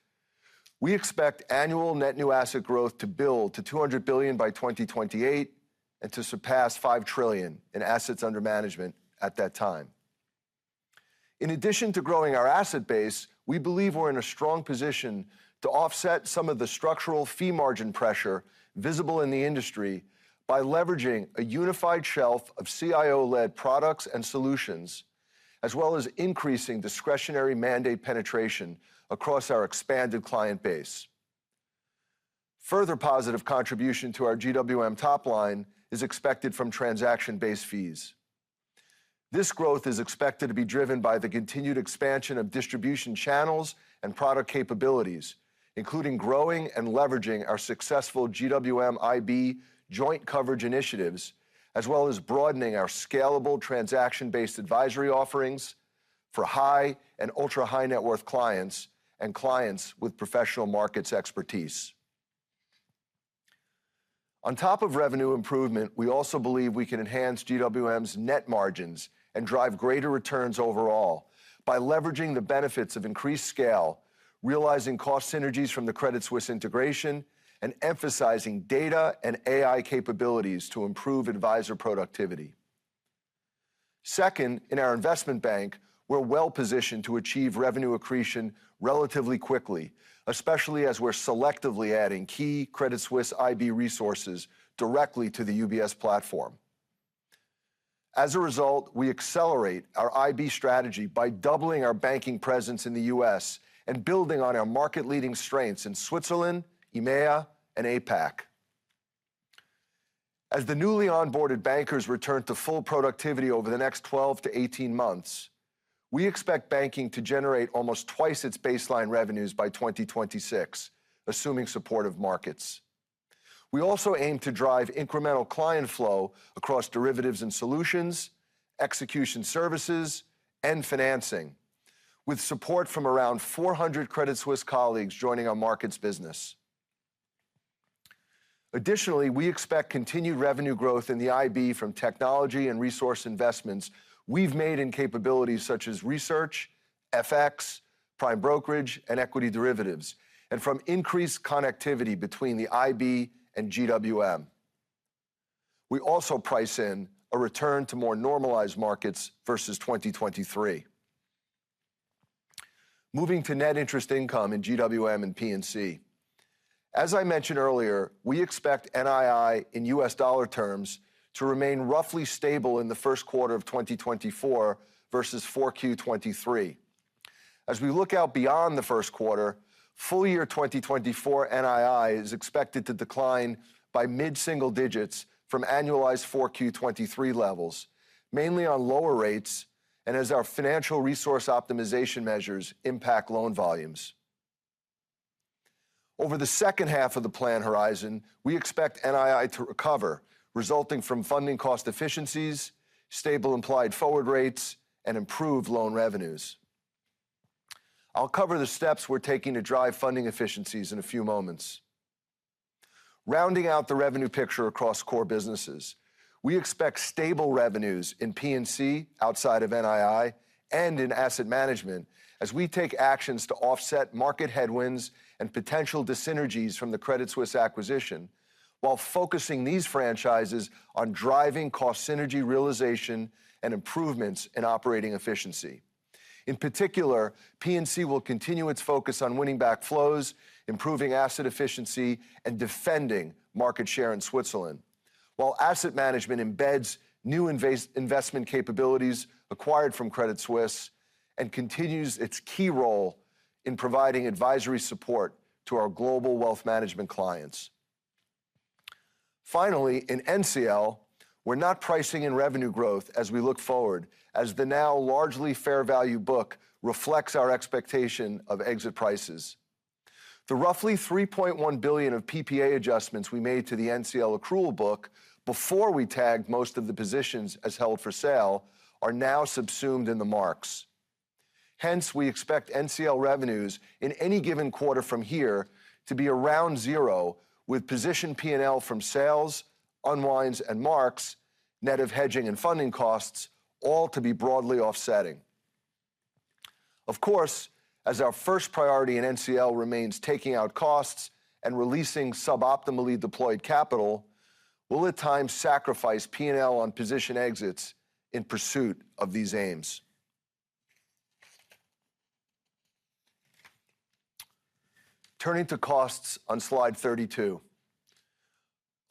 we expect annual net new asset growth to build to 200 billion by 2028 and to surpass 5 trillion in assets under management at that time. In addition to growing our asset base, we believe we're in a strong position to offset some of the structural fee margin pressure visible in the industry by leveraging a unified shelf of CIO-led products and solutions, as well as increasing discretionary mandate penetration across our expanded client base. Further positive contribution to our GWM top line is expected from transaction-based fees. This growth is expected to be driven by the continued expansion of distribution channels and product capabilities, including growing and leveraging our successful GWM / IB joint coverage initiatives, as well as broadening our scalable transaction-based advisory offerings for high and ultra-high net worth clients and clients with professional markets expertise. On top of revenue improvement, we also believe we can enhance GWM's net margins and drive greater returns overall by leveraging the benefits of increased scale, realizing cost synergies from the Credit Suisse integration, and emphasizing data and AI capabilities to improve advisor productivity. Second, in our Investment Bank, we're well-positioned to achieve revenue accretion relatively quickly, especially as we're selectively adding key Credit Suisse IB resources directly to the UBS platform. As a result, we accelerate our IB strategy by doubling our banking presence in the U.S. and building on our market-leading strengths in Switzerland, EMEA, and APAC. As the newly onboarded bankers return to full productivity over the next 12 to 18 months, we expect banking to generate almost twice its baseline revenues by 2026, assuming supportive markets. We also aim to drive incremental client flow across derivatives and solutions, execution services, and financing, with support from around 400 Credit Suisse colleagues joining our markets business. Additionally, we expect continued revenue growth in the IB from technology and resource investments we've made in capabilities such as research, FX, prime brokerage, and equity derivatives, and from increased connectivity between the IB and GWM. We also price in a return to more normalized markets versus 2023. Moving to net interest income in GWM and P&C. As I mentioned earlier, we expect NII in U.S. dollar terms to remain roughly stable in the first quarter of 2024 versus 4Q 2023. As we look out beyond the first quarter, full year 2024 NII is expected to decline by mid-single digits from annualized 4Q 2023 levels, mainly on lower rates and as our financial resource optimization measures impact loan volumes. Over the second half of the plan horizon, we expect NII to recover, resulting from funding cost efficiencies, stable implied forward rates, and improved loan revenues. I'll cover the steps we're taking to drive funding efficiencies in a few moments. Rounding out the revenue picture across core businesses, we expect stable revenues in P&C outside of NII and in Asset Management as we take actions to offset market headwinds and potential dyssynergies from the Credit Suisse acquisition, while focusing these franchises on driving cost synergy realization and improvements in operating efficiency. In particular, P&C will continue its focus on winning back flows, improving asset efficiency, and defending market share in Switzerland, while Asset Management embeds new investment capabilities acquired from Credit Suisse and continues its key role in providing advisory support to our global wealth management clients. Finally, in NCL, we're not pricing in revenue growth as we look forward, as the now largely fair value book reflects our expectation of exit prices. The roughly 3.1 billion of PPA adjustments we made to the NCL accrual book before we tagged most of the positions as held for sale are now subsumed in the marks. Hence, we expect NCL revenues in any given quarter from here to be around zero, with position P&L from sales, unwinds, and marks, net of hedging and funding costs, all to be broadly offsetting. Of course, as our first priority in NCL remains taking out costs and releasing suboptimally deployed capital, we'll at times sacrifice P&L on position exits in pursuit of these aims. Turning to costs on slide 32.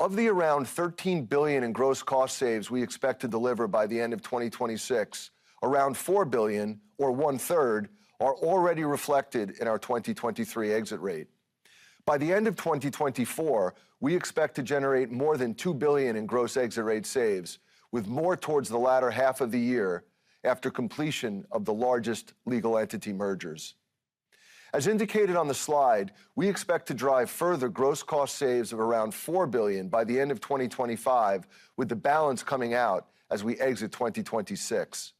Of the around 13 billion in gross cost saves we expect to deliver by the end of 2026, around 4 billion or one-third, are already reflected in our 2023 exit rate. By the end of 2024, we expect to generate more than 2 billion in gross exit rate saves, with more towards the latter half of the year after completion of the largest legal entity mergers. As indicated on the slide, we expect to drive further gross cost saves of around 4 billion by the end of 2025, with the balance coming out as we exit 2026.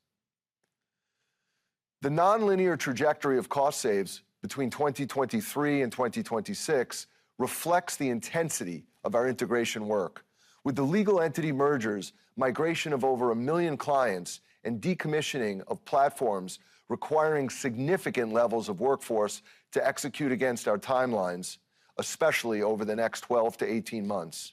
The nonlinear trajectory of cost saves between 2023 and 2026 reflects the intensity of our integration work, with the legal entity mergers, migration of over 1 million clients, and decommissioning of platforms requiring significant levels of workforce to execute against our timelines, especially over the next 12 to 18 months.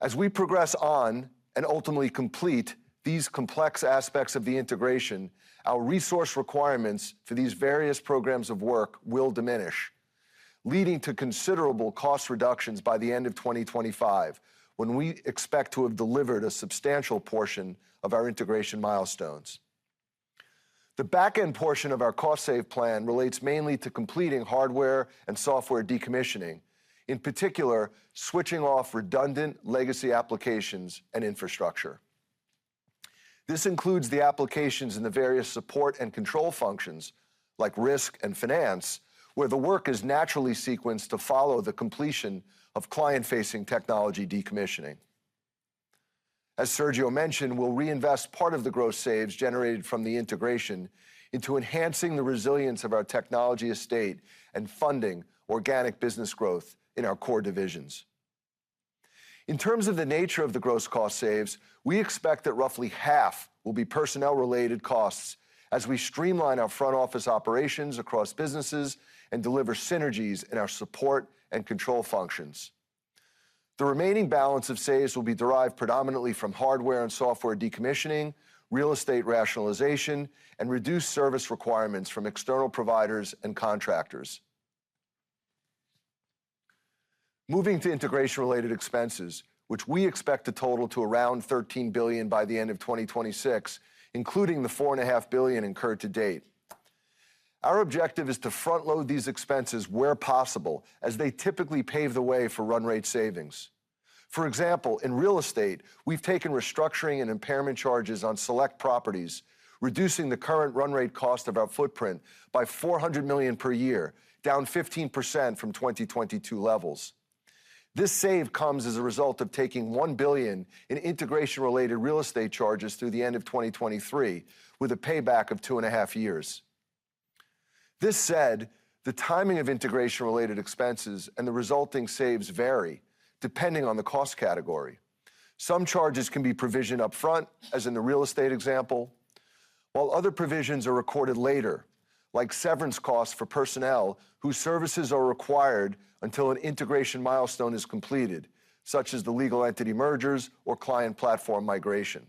As we progress on and ultimately complete these complex aspects of the integration, our resource requirements for these various programs of work will diminish, leading to considerable cost reductions by the end of 2025, when we expect to have delivered a substantial portion of our integration milestones. The back-end portion of our cost save plan relates mainly to completing hardware and software decommissioning, in particular, switching off redundant legacy applications and infrastructure. This includes the applications and the various support and control functions, like risk and finance, where the work is naturally sequenced to follow the completion of client-facing technology decommissioning. As Sergio mentioned, we'll reinvest part of the gross saves generated from the integration into enhancing the resilience of our technology estate and funding organic business growth in our core divisions. In terms of the nature of the gross cost saves, we expect that roughly half will be personnel-related costs as we streamline our front office operations across businesses and deliver synergies in our support and control functions. The remaining balance of saves will be derived predominantly from hardware and software decommissioning, real estate rationalization, and reduced service requirements from external providers and contractors. Moving to integration-related expenses, which we expect to total to around 13 billion by the end of 2026, including the 4.5 billion incurred to date. Our objective is to front-load these expenses where possible, as they typically pave the way for run rate savings. For example, in real estate, we've taken restructuring and impairment charges on select properties, reducing the current run rate cost of our footprint by 400 million per year, down 15% from 2022 levels. This save comes as a result of taking 1 billion in integration-related real estate charges through the end of 2023, with a payback of 2.5 years. This said, the timing of integration-related expenses and the resulting saves vary depending on the cost category. Some charges can be provisioned upfront, as in the real estate example, while other provisions are recorded later, like severance costs for personnel whose services are required until an integration milestone is completed, such as the legal entity mergers or client platform migration.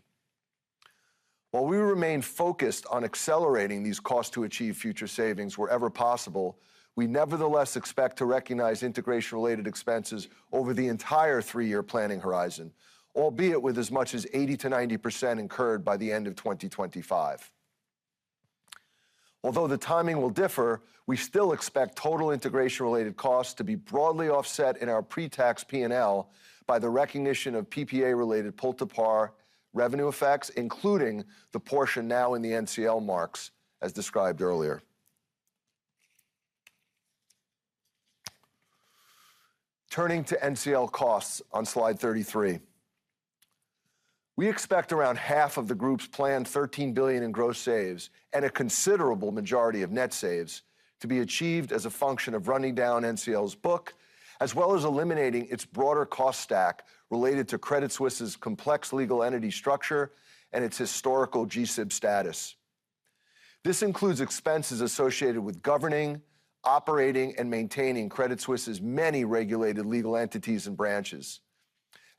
While we remain focused on accelerating these costs to achieve future savings wherever possible, we nevertheless expect to recognize integration-related expenses over the entire three-year planning horizon, albeit with as much as 80%-90% incurred by the end of 2025. Although the timing will differ, we still expect total integration-related costs to be broadly offset in our pre-tax P&L by the recognition of PPA-related pull-to-par revenue effects, including the portion now in the NCL marks, as described earlier. Turning to NCL costs on slide 33. We expect around half of the group's planned 13 billion in gross saves and a considerable majority of net saves to be achieved as a function of running down NCL's book, as well as eliminating its broader cost stack related to Credit Suisse's complex legal entity structure and its historical G-SIB status. This includes expenses associated with governing, operating, and maintaining Credit Suisse's many regulated legal entities and branches.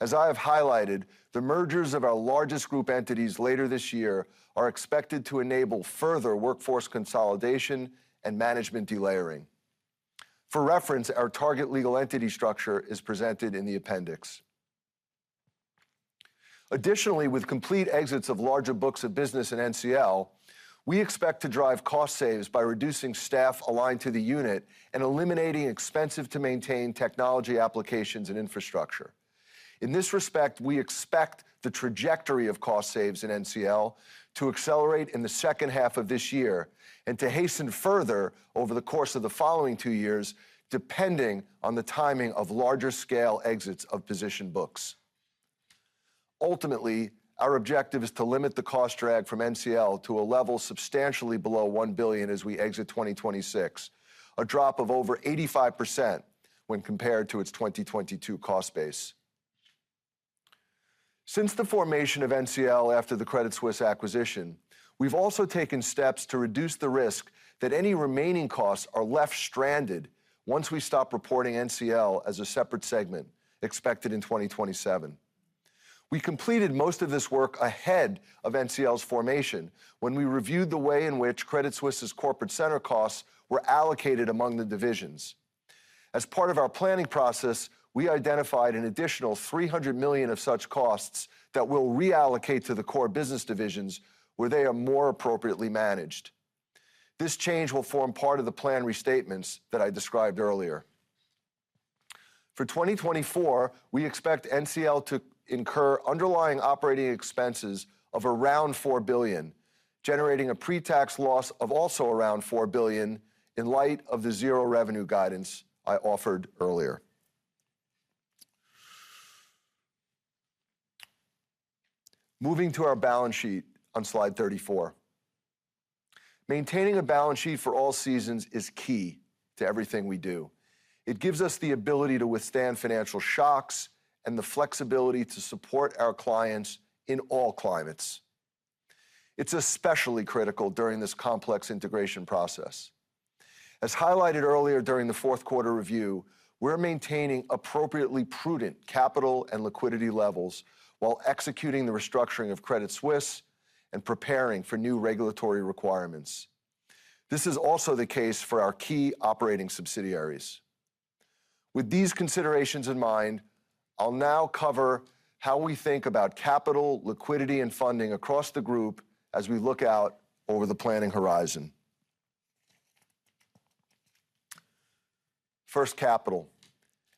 As I have highlighted, the mergers of our largest group entities later this year are expected to enable further workforce consolidation and management delayering. For reference, our target legal entity structure is presented in the appendix. Additionally, with complete exits of larger books of business in NCL, we expect to drive cost saves by reducing staff aligned to the unit and eliminating expensive-to-maintain technology, applications, and infrastructure. In this respect, we expect the trajectory of cost saves in NCL to accelerate in the second half of this year and to hasten further over the course of the following two years, depending on the timing of larger-scale exits of position books. Ultimately, our objective is to limit the cost drag from NCL to a level substantially below 1 billion as we exit 2026, a drop of over 85% when compared to its 2022 cost base. Since the formation of NCL after the Credit Suisse acquisition, we've also taken steps to reduce the risk that any remaining costs are left stranded once we stop reporting NCL as a separate segment, expected in 2027. We completed most of this work ahead of NCL's formation when we reviewed the way in which Credit Suisse's Corporate Center costs were allocated among the divisions. As part of our planning process, we identified an additional 300 million of such costs that we'll reallocate to the core business divisions, where they are more appropriately managed. This change will form part of the planned restatements that I described earlier. For 2024, we expect NCL to incur underlying operating expenses of around 4 billion, generating a pre-tax loss of also around 4 billion in light of the zero revenue guidance I offered earlier. Moving to our balance sheet on slide 34. Maintaining a balance sheet for all seasons is key to everything we do. It gives us the ability to withstand financial shocks and the flexibility to support our clients in all climates. It's especially critical during this complex integration process. As highlighted earlier during the fourth quarter review, we're maintaining appropriately prudent capital and liquidity levels while executing the restructuring of Credit Suisse and preparing for new regulatory requirements. This is also the case for our key operating subsidiaries. With these considerations in mind, I'll now cover how we think about capital, liquidity, and funding across the group as we look out over the planning horizon. First, capital.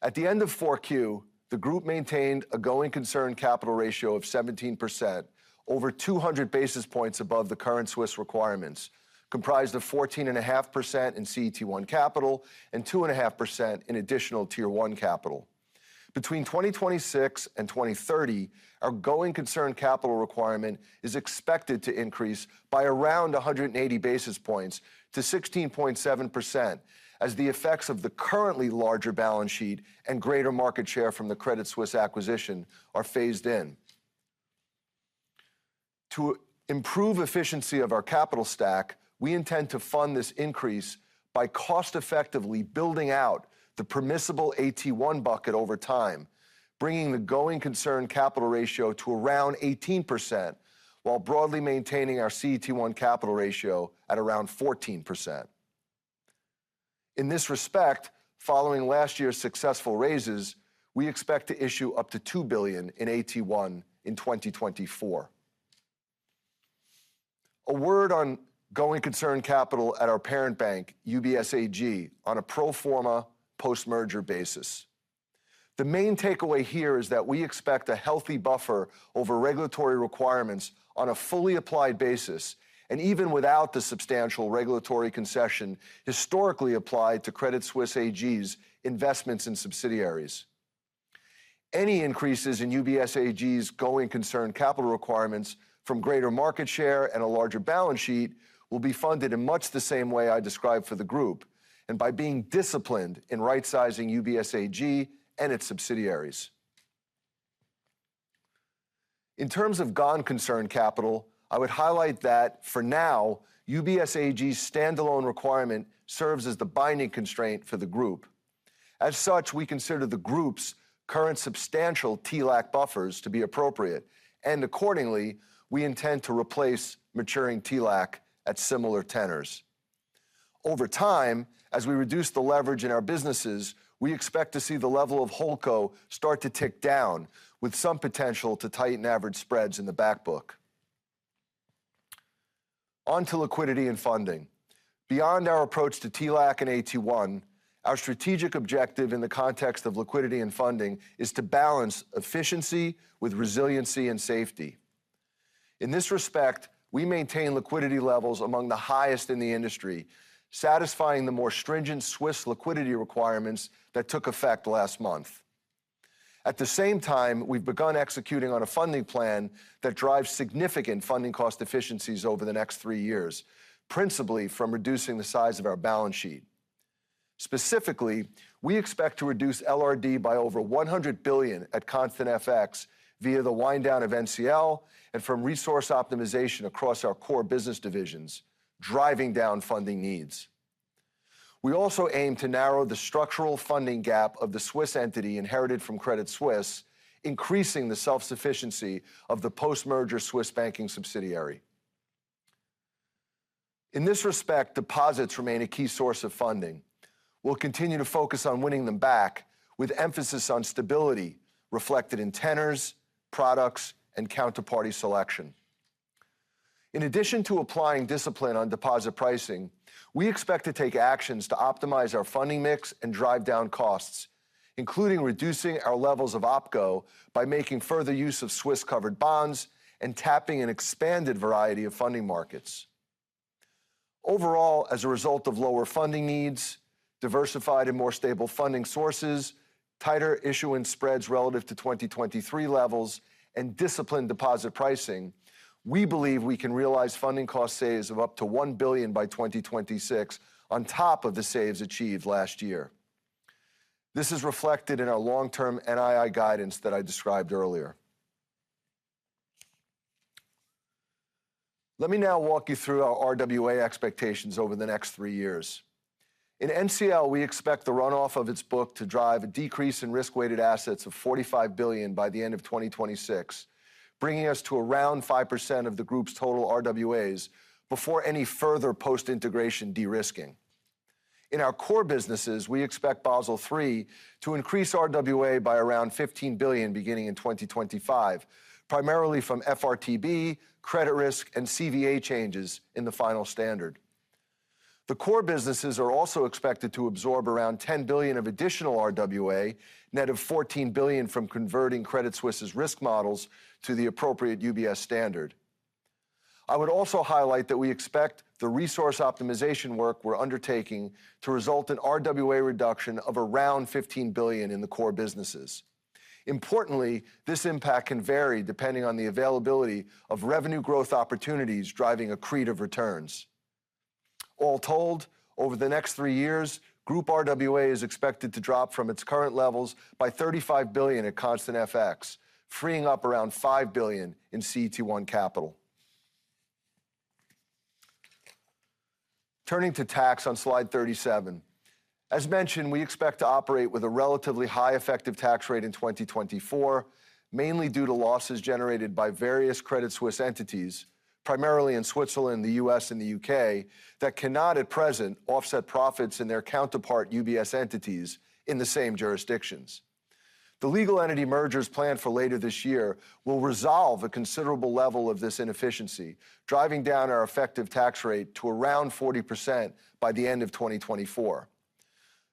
At the end of Q4, the group maintained a going concern capital ratio of 17%, over 200 basis points above the current Swiss requirements, comprised of 14.5% in CET1 capital and 2.5% in additional Tier 1 capital. Between 2026 and 2030, our going concern capital requirement is expected to increase by around 180 basis points to 16.7%, as the effects of the currently larger balance sheet and greater market share from the Credit Suisse acquisition are phased in. To improve efficiency of our capital stack, we intend to fund this increase by cost-effectively building out the permissible AT1 bucket over time, bringing the going concern capital ratio to around 18%, while broadly maintaining our CET1 capital ratio at around 14%. In this respect, following last year's successful raises, we expect to issue up to 2 billion in AT1 in 2024. A word on going concern capital at our parent bank, UBS AG, on a pro forma post-merger basis. The main takeaway here is that we expect a healthy buffer over regulatory requirements on a fully applied basis, and even without the substantial regulatory concession historically applied to Credit Suisse AG's investments in subsidiaries. Any increases in UBS AG's going concern capital requirements from greater market share and a larger balance sheet will be funded in much the same way I described for the group, and by being disciplined in right-sizing UBS AG and its subsidiaries. In terms of gone concern capital, I would highlight that for now, UBS AG's standalone requirement serves as the binding constraint for the group. As such, we consider the group's current substantial TLAC buffers to be appropriate, and accordingly, we intend to replace maturing TLAC at similar tenors. Over time, as we reduce the leverage in our businesses, we expect to see the level of HoldCo start to tick down, with some potential to tighten average spreads in the back book. On to liquidity and funding. Beyond our approach to TLAC and AT1, our strategic objective in the context of liquidity and funding is to balance efficiency with resiliency and safety. In this respect, we maintain liquidity levels among the highest in the industry, satisfying the more stringent Swiss liquidity requirements that took effect last month. At the same time, we've begun executing on a funding plan that drives significant funding cost efficiencies over the next three years, principally from reducing the size of our balance sheet. Specifically, we expect to reduce LRD by over 100 billion at constant FX via the wind down of NCL and from resource optimization across our core business divisions, driving down funding needs. We also aim to narrow the structural funding gap of the Swiss entity inherited from Credit Suisse, increasing the self-sufficiency of the post-merger Swiss banking subsidiary. In this respect, deposits remain a key source of funding. We'll continue to focus on winning them back with emphasis on stability, reflected in tenors, products, and counterparty selection. In addition to applying discipline on deposit pricing, we expect to take actions to optimize our funding mix and drive down costs, including reducing our levels of OpCo by making further use of Swiss covered bonds and tapping an expanded variety of funding markets. = Overall, as a result of lower funding needs, diversified and more stable funding sources, tighter issuance spreads relative to 2023 levels, and disciplined deposit pricing, we believe we can realize funding cost saves of up to 1 billion by 2026 on top of the saves achieved last year. This is reflected in our long-term NII guidance that I described earlier. Let me now walk you through our RWA expectations over the next three years. In NCL, we expect the run-off of its book to drive a decrease in risk-weighted assets of 45 billion by the end of 2026, bringing us to around 5% of the group's total RWAs before any further post-integration de-risking. In our core businesses, we expect Basel III to increase RWA by around 15 billion, beginning in 2025, primarily from FRTB, credit risk, and CVA changes in the final standard. The core businesses are also expected to absorb around 10 billion of additional RWA, net of 14 billion from converting Credit Suisse's risk models to the appropriate UBS standard. I would also highlight that we expect the resource optimization work we're undertaking to result in RWA reduction of around 15 billion in the core businesses. Importantly, this impact can vary depending on the availability of revenue growth opportunities driving accretive returns. All told, over the next three years, Group RWA is expected to drop from its current levels by 35 billion at constant FX, freeing up around 5 billion in CET1 capital. Turning to tax on slide 37. As mentioned, we expect to operate with a relatively high effective tax rate in 2024, mainly due to losses generated by various Credit Suisse entities, primarily in Switzerland, the U.S., and the U.K., that cannot, at present, offset profits in their counterpart UBS entities in the same jurisdictions. The legal entity mergers planned for later this year will resolve a considerable level of this inefficiency, driving down our effective tax rate to around 40% by the end of 2024.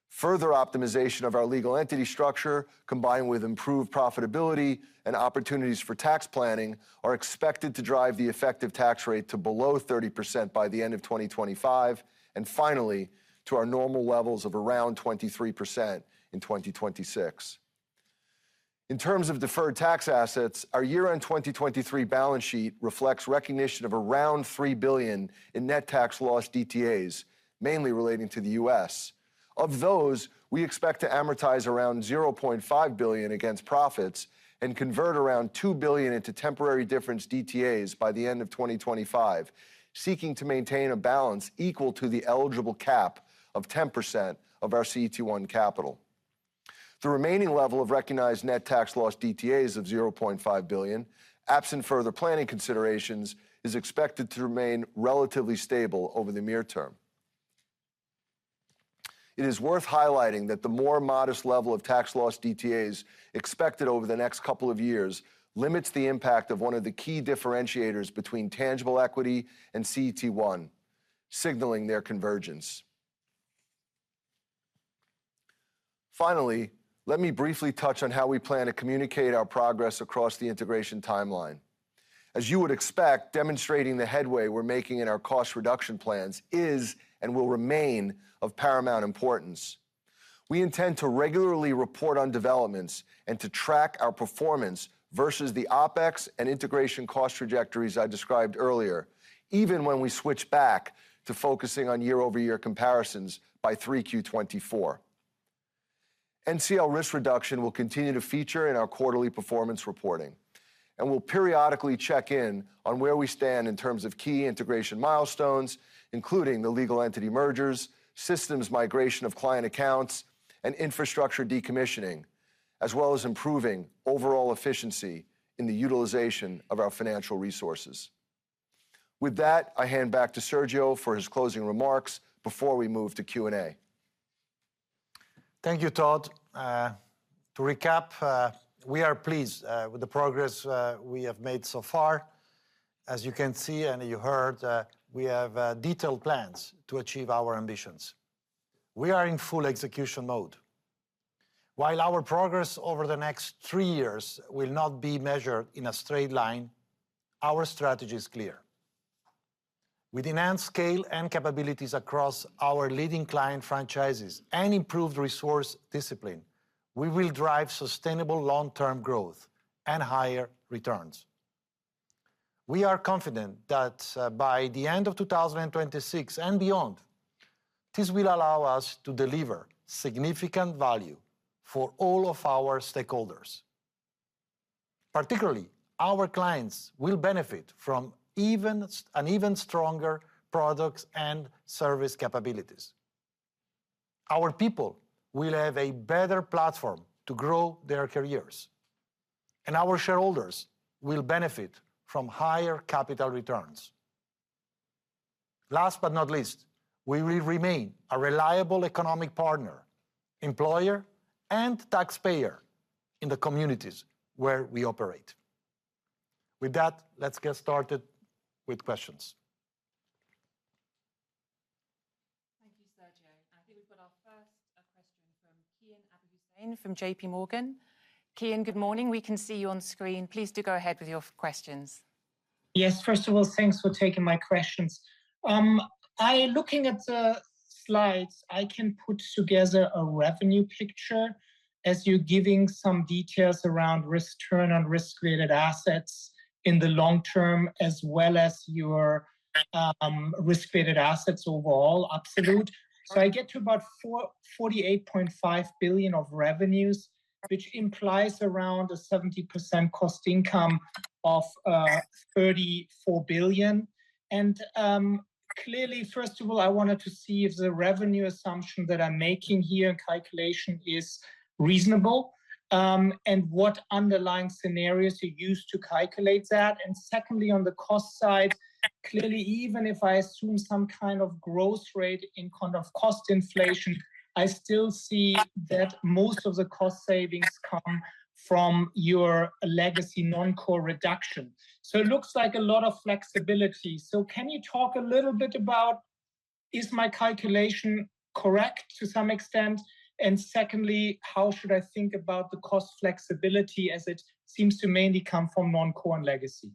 Further optimization of our legal entity structure, combined with improved profitability and opportunities for tax planning, are expected to drive the effective tax rate to below 30% by the end of 2025, and finally, to our normal levels of around 23% in 2026. In terms of deferred tax assets, our year-end 2023 balance sheet reflects recognition of around 3 billion in net tax loss DTAs, mainly relating to the U.S. Of those, we expect to amortize around 0.5 billion against profits and convert around 2 billion into temporary difference DTAs by the end of 2025, seeking to maintain a balance equal to the eligible cap of 10% of our CET1 capital. The remaining level of recognized net tax loss DTAs of 0.5 billion, absent further planning considerations, is expected to remain relatively stable over the near term. It is worth highlighting that the more modest level of tax loss DTAs expected over the next couple of years limits the impact of one of the key differentiators between tangible equity and CET1, signaling their convergence. Finally, let me briefly touch on how we plan to communicate our progress across the integration timeline. As you would expect, demonstrating the headway we're making in our cost reduction plans is, and will remain, of paramount importance. We intend to regularly report on developments and to track our performance versus the OpEx and integration cost trajectories I described earlier, even when we switch back to focusing on year-over-year comparisons by 3Q 2024. NCL risk reduction will continue to feature in our quarterly performance reporting, and we'll periodically check in on where we stand in terms of key integration milestones, including the legal entity mergers, systems migration of client accounts, and infrastructure decommissioning, as well as improving overall efficiency in the utilization of our financial resources. With that, I hand back to Sergio for his closing remarks before we move to Q&A. Thank you, Todd. To recap, we are pleased with the progress we have made so far. As you can see, and you heard, we have detailed plans to achieve our ambitions. We are in full execution mode. While our progress over the next three years will not be measured in a straight line, our strategy is clear. With enhanced scale and capabilities across our leading client franchises and improved resource discipline, we will drive sustainable long-term growth and higher returns. We are confident that, by the end of 2026 and beyond, this will allow us to deliver significant value for all of our stakeholders. Particularly, our clients will benefit from an even stronger products and service capabilities. Our people will have a better platform to grow their careers, and our shareholders will benefit from higher capital returns. Last but not least, we will remain a reliable economic partner, employer, and taxpayer in the communities where we operate. With that, let's get started with questions. Thank you, Sergio. I think we've got our first question from Kian Abouhossein from JPMorgan. Kian, good morning. We can see you on screen. Please do go ahead with your questions. Yes, first of all, thanks for taking my questions. Looking at the slides, I can put together a revenue picture, as you're giving some details around return on risk-weighted assets in the long term, as well as your risk-weighted assets overall, absolute. So I get to about 48.5 billion of revenues, which implies around a 70% cost income of 34 billion. And clearly, first of all, I wanted to see if the revenue assumption that I'm making here and calculation is reasonable, and what underlying scenarios you used to calculate that. And secondly, on the cost side, clearly, even if I assume some kind of growth rate in kind of cost inflation, I still see that most of the cost savings come from your legacy non-core reduction. So it looks like a lot of flexibility. So can you talk a little bit about, is my calculation correct to some extent? And secondly, how should I think about the cost flexibility, as it seems to mainly come from Non-core and Legacy?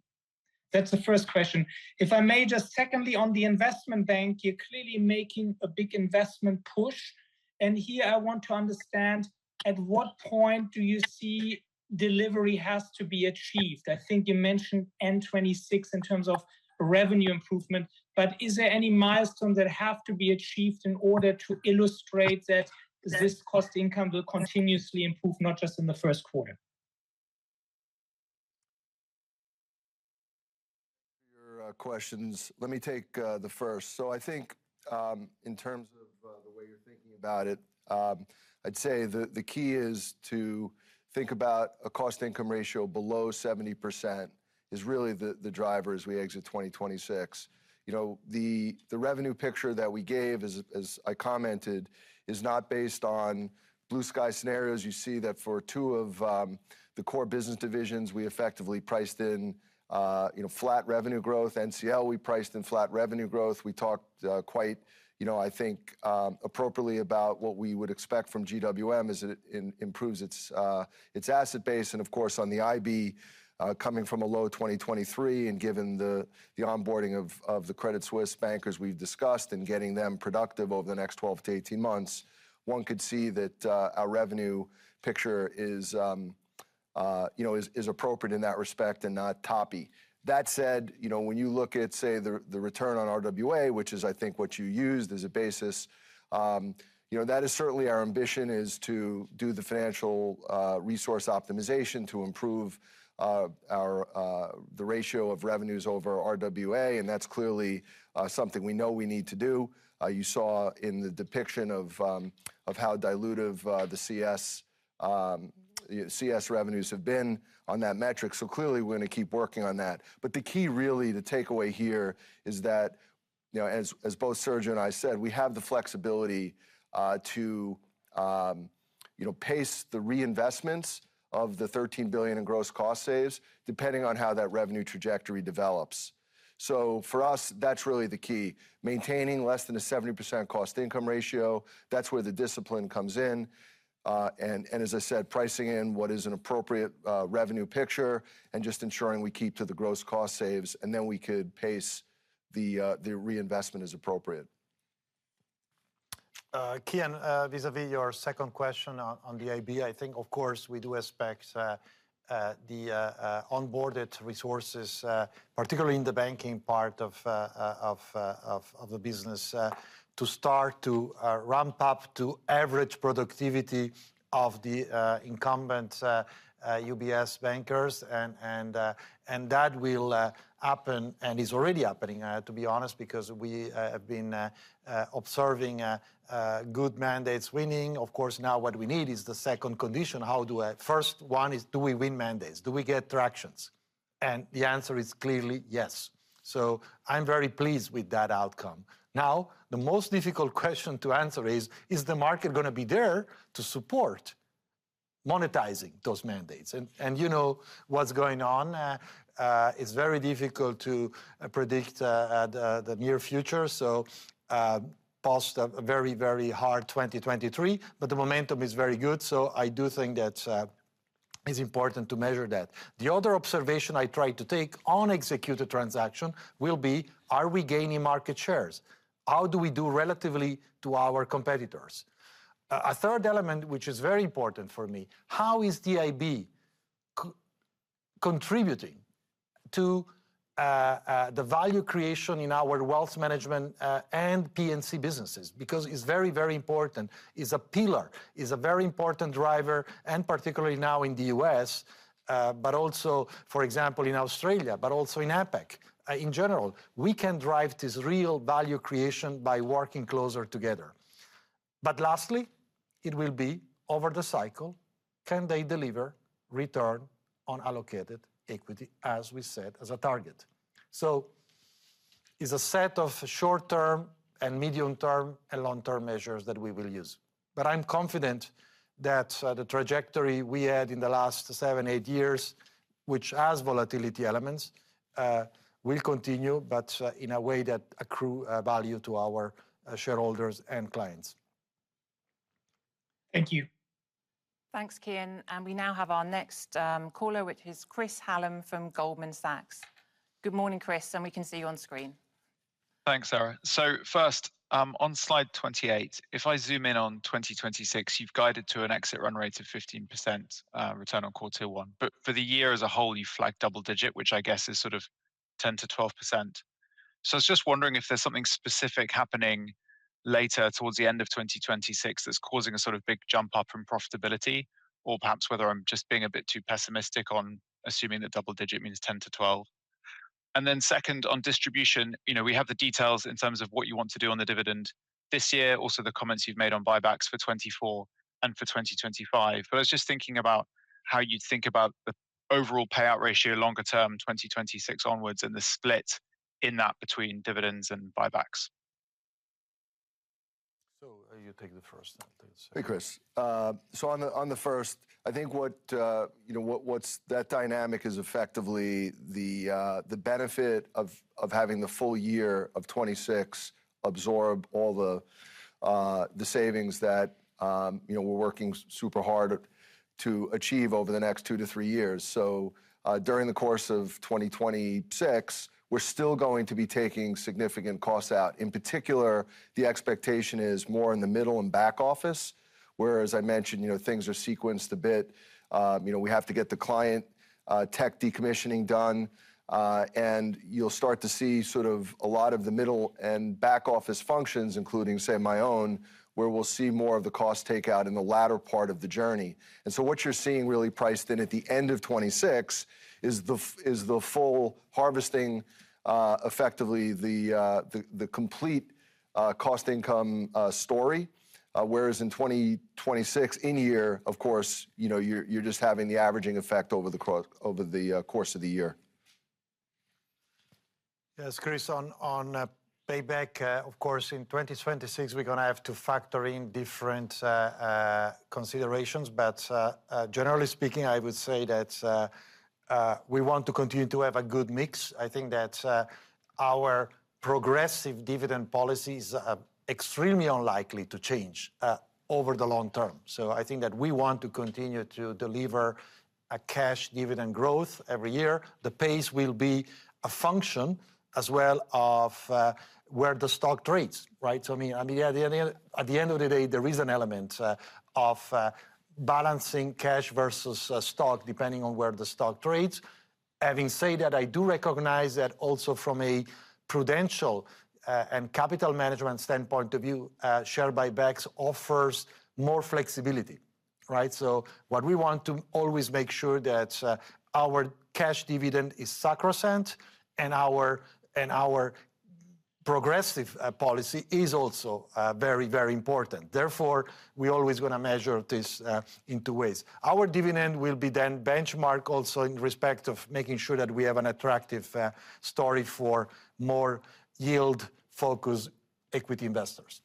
That's the first question. If I may, just secondly, on the Investment Bank, you're clearly making a big investment push, and here I want to understand, at what point do you see delivery has to be achieved? I think you mentioned end 2026 in terms of revenue improvement, but is there any milestones that have to be achieved in order to illustrate that this cost income will continuously improve, not just in the first quarter? Your questions. Let me take the first. So I think, in terms of, the way you're thinking about it, I'd say the key is to think about a cost-income ratio below 70% is really the driver as we exit 2026. You know, the revenue picture that we gave, as I commented, is not based on blue sky scenarios. You see that for two of the core business divisions, we effectively priced in, you know, flat revenue growth. NCL, we priced in flat revenue growth. We talked quite, you know, I think, appropriately about what we would expect from GWM as it improves its asset base, and of course, on the IB, coming from a low 2023, and given the onboarding of the Credit Suisse bankers we've discussed, and getting them productive over the next 12 to 18 months, one could see that our revenue picture is, you know, appropriate in that respect and not toppy. That said, you know, when you look at, say, the return on RWA, which is I think what you used as a basis, you know, that is certainly our ambition, is to do the financial resource optimization to improve our the ratio of revenues over RWA, and that's clearly something we know we need to do. You saw in the depiction of how dilutive the CS revenues have been on that metric, so clearly we're gonna keep working on that. But the key really, the takeaway here, is that, you know, as both Sergio and I said, we have the flexibility to, you know, pace the reinvestments of the 13 billion in gross cost saves, depending on how that revenue trajectory develops. So for us, that's really the key: maintaining less than a 70% cost-to-income ratio, that's where the discipline comes in. And as I said, pricing in what is an appropriate revenue picture and just ensuring we keep to the gross cost saves, and then we could pace the reinvestment as appropriate. Kian, vis-à-vis your second question on the IB, I think of course we do expect the onboarded resources, particularly in the banking part of the business, to start to ramp up to average productivity of the incumbent UBS bankers. And that will happen and is already happening, to be honest, because we have been observing good mandates winning. Of course, now what we need is the second condition. First one is, do we win mandates? Do we get traction? And the answer is clearly yes. So I'm very pleased with that outcome. Now, the most difficult question to answer is, is the market gonna be there to support monetizing those mandates? And you know what's going on. It's very difficult to predict the near future, so post a very, very hard 2023, but the momentum is very good, so I do think that it's important to measure that. The other observation I tried to take on executed transaction will be: Are we gaining market shares? How do we do relatively to our competitors? A third element, which is very important for me: How is the IB contributing to the value creation in our wealth management and P&C businesses? Because it's very, very important, is a pillar, is a very important driver, and particularly now in the U.S., but also, for example, in Australia, but also in APAC. In general, we can drive this real value creation by working closer together. But lastly, it will be over the cycle, can they deliver return on allocated equity, as we said, as a target? So it's a set of short-term and medium-term and long-term measures that we will use. But I'm confident that the trajectory we had in the last seven, eight years, which has volatility elements, will continue, but in a way that accrue value to our shareholders and clients. Thank you. Thanks, Kian. We now have our next caller, which is Chris Hallam from Goldman Sachs. Good morning, Chris, and we can see you on screen. Thanks, Sarah. So first, on slide 28, if I zoom in on 2026, you've guided to an exit run rate of 15%, return on Core Tier 1. But for the year as a whole, you flagged double-digit, which I guess is sort of 10%-12%. So I was just wondering if there's something specific happening later towards the end of 2026 that's causing a sort of big jump up in profitability, or perhaps whether I'm just being a bit too pessimistic on assuming that double-digit means 10%-12%. And then second, on distribution, you know, we have the details in terms of what you want to do on the dividend this year, also the comments you've made on buybacks for 2024 and for 2025. But I was just thinking about how you'd think about the overall payout ratio longer term, 2026 onwards, and the split in that between dividends and buybacks? So, you take the first one please. Hey, Chris. So on the first, I think that dynamic is effectively the benefit of having the full year of 2026 absorb all the savings that, you know, we're working super hard to achieve over the next two to three years. So, during the course of 2026, we're still going to be taking significant costs out. In particular, the expectation is more in the middle and back office, where, as I mentioned, you know, things are sequenced a bit. You know, we have to get the client tech decommissioning done, and you'll start to see sort of a lot of the middle and back office functions, including, say, my own, where we'll see more of the cost takeout in the latter part of the journey. And so what you're seeing really priced in at the end of 2026 is the full harvesting, effectively, the complete cost income story. Whereas in 2026, in year, of course, you know, you're just having the averaging effect over the course of the year. Yes, Chris, on payback, of course, in 2026 we're gonna have to factor in different considerations. But generally speaking, I would say that we want to continue to have a good mix. I think that our progressive dividend policy is extremely unlikely to change over the long term. So I think that we want to continue to deliver a cash dividend growth every year. The pace will be a function as well of where the stock trades, right? So, I mean, I mean, at the end of the, at the end of the day, there is an element of balancing cash versus stock, depending on where the stock trades. Having said that, I do recognize that also from a prudential and capital management standpoint of view, share buybacks offers more flexibility, right? So what we want to always make sure that our cash dividend is sacrosanct, and our, and our progressive policy is also very, very important. Therefore, we're always gonna measure this in two ways. Our dividend will be then benchmark also in respect of making sure that we have an attractive story for more yield-focused equity investors.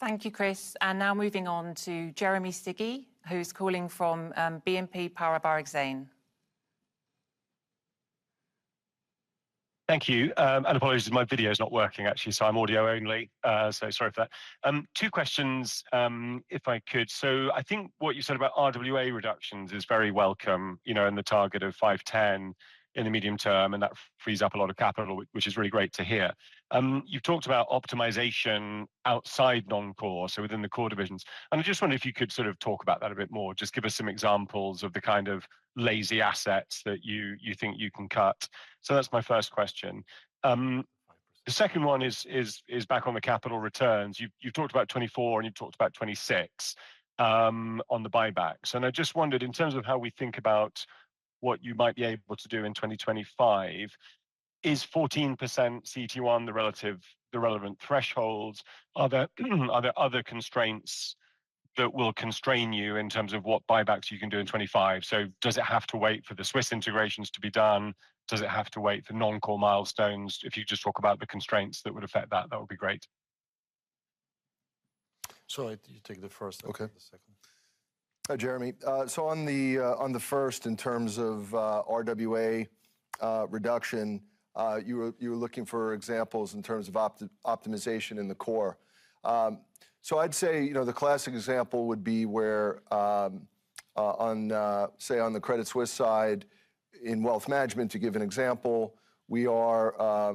Thank you, Chris. And now moving on to Jeremy Sigee, who's calling from BNP Paribas Exane. Thank you. Apologies, my video is not working, actually, so I'm audio only. Sorry for that. Two questions, if I could. I think what you said about RWA reductions is very welcome, you know, and the target of 510 billion in the medium term, and that frees up a lot of capital, which is really great to hear. You've talked about optimization outside non-core, so within the core divisions, and I just wonder if you could sort of talk about that a bit more. Just give us some examples of the kind of lazy assets that you think you can cut. That's my first question. The second one is back on the capital returns. You, you talked about 2024, and you talked about 2026 on the buybacks, and I just wondered, in terms of how we think about what you might be able to do in 2025, is 14% CET1 the relative... the relevant threshold? Are there, are there other constraints that will constrain you in terms of what buybacks you can do in 2025? So does it have to wait for the Swiss integrations to be done? Does it have to wait for non-core milestones? If you just talk about the constraints that would affect that, that would be great. So you take the first. Okay. And I'll take the second. Jeremy, so on the first, in terms of RWA reduction, you were looking for examples in terms of optimization in the core. So I'd say, you know, the classic example would be where, on say, on the Credit Suisse side, in wealth management, to give an example, we are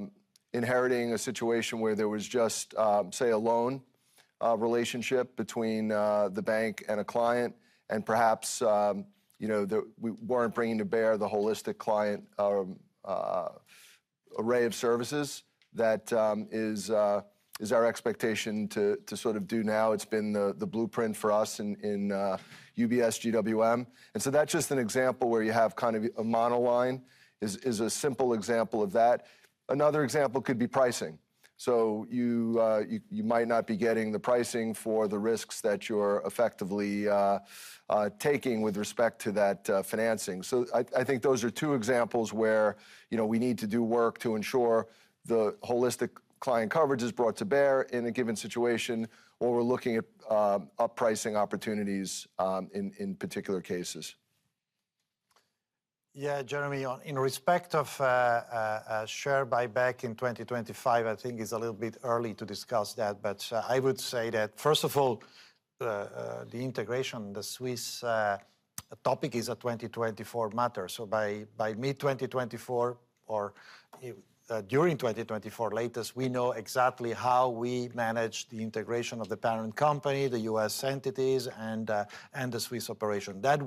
inheriting a situation where there was just say, a loan relationship between the bank and a client, and perhaps, you know, we weren't bringing to bear the holistic client array of services that is our expectation to sort of do now. It's been the blueprint for us in UBS GWM. And so that's just an example where you have kind of a monoline, is a simple example of that. Another example could be pricing. So you might not be getting the pricing for the risks that you're effectively taking with respect to that financing. So I think those are two examples where, you know, we need to do work to ensure the holistic client coverage is brought to bear in a given situation, or we're looking at up-pricing opportunities in particular cases. Yeah, Jeremy, on, in respect of, share buyback in 2025, I think it's a little bit early to discuss that, but, I would say that, first of all, the integration, the Swiss, topic, is a 2024 matter. So by mid-2024, or during 2024 latest, we know exactly how we manage the integration of the parent company, the U.S. entities, and the Swiss operation. That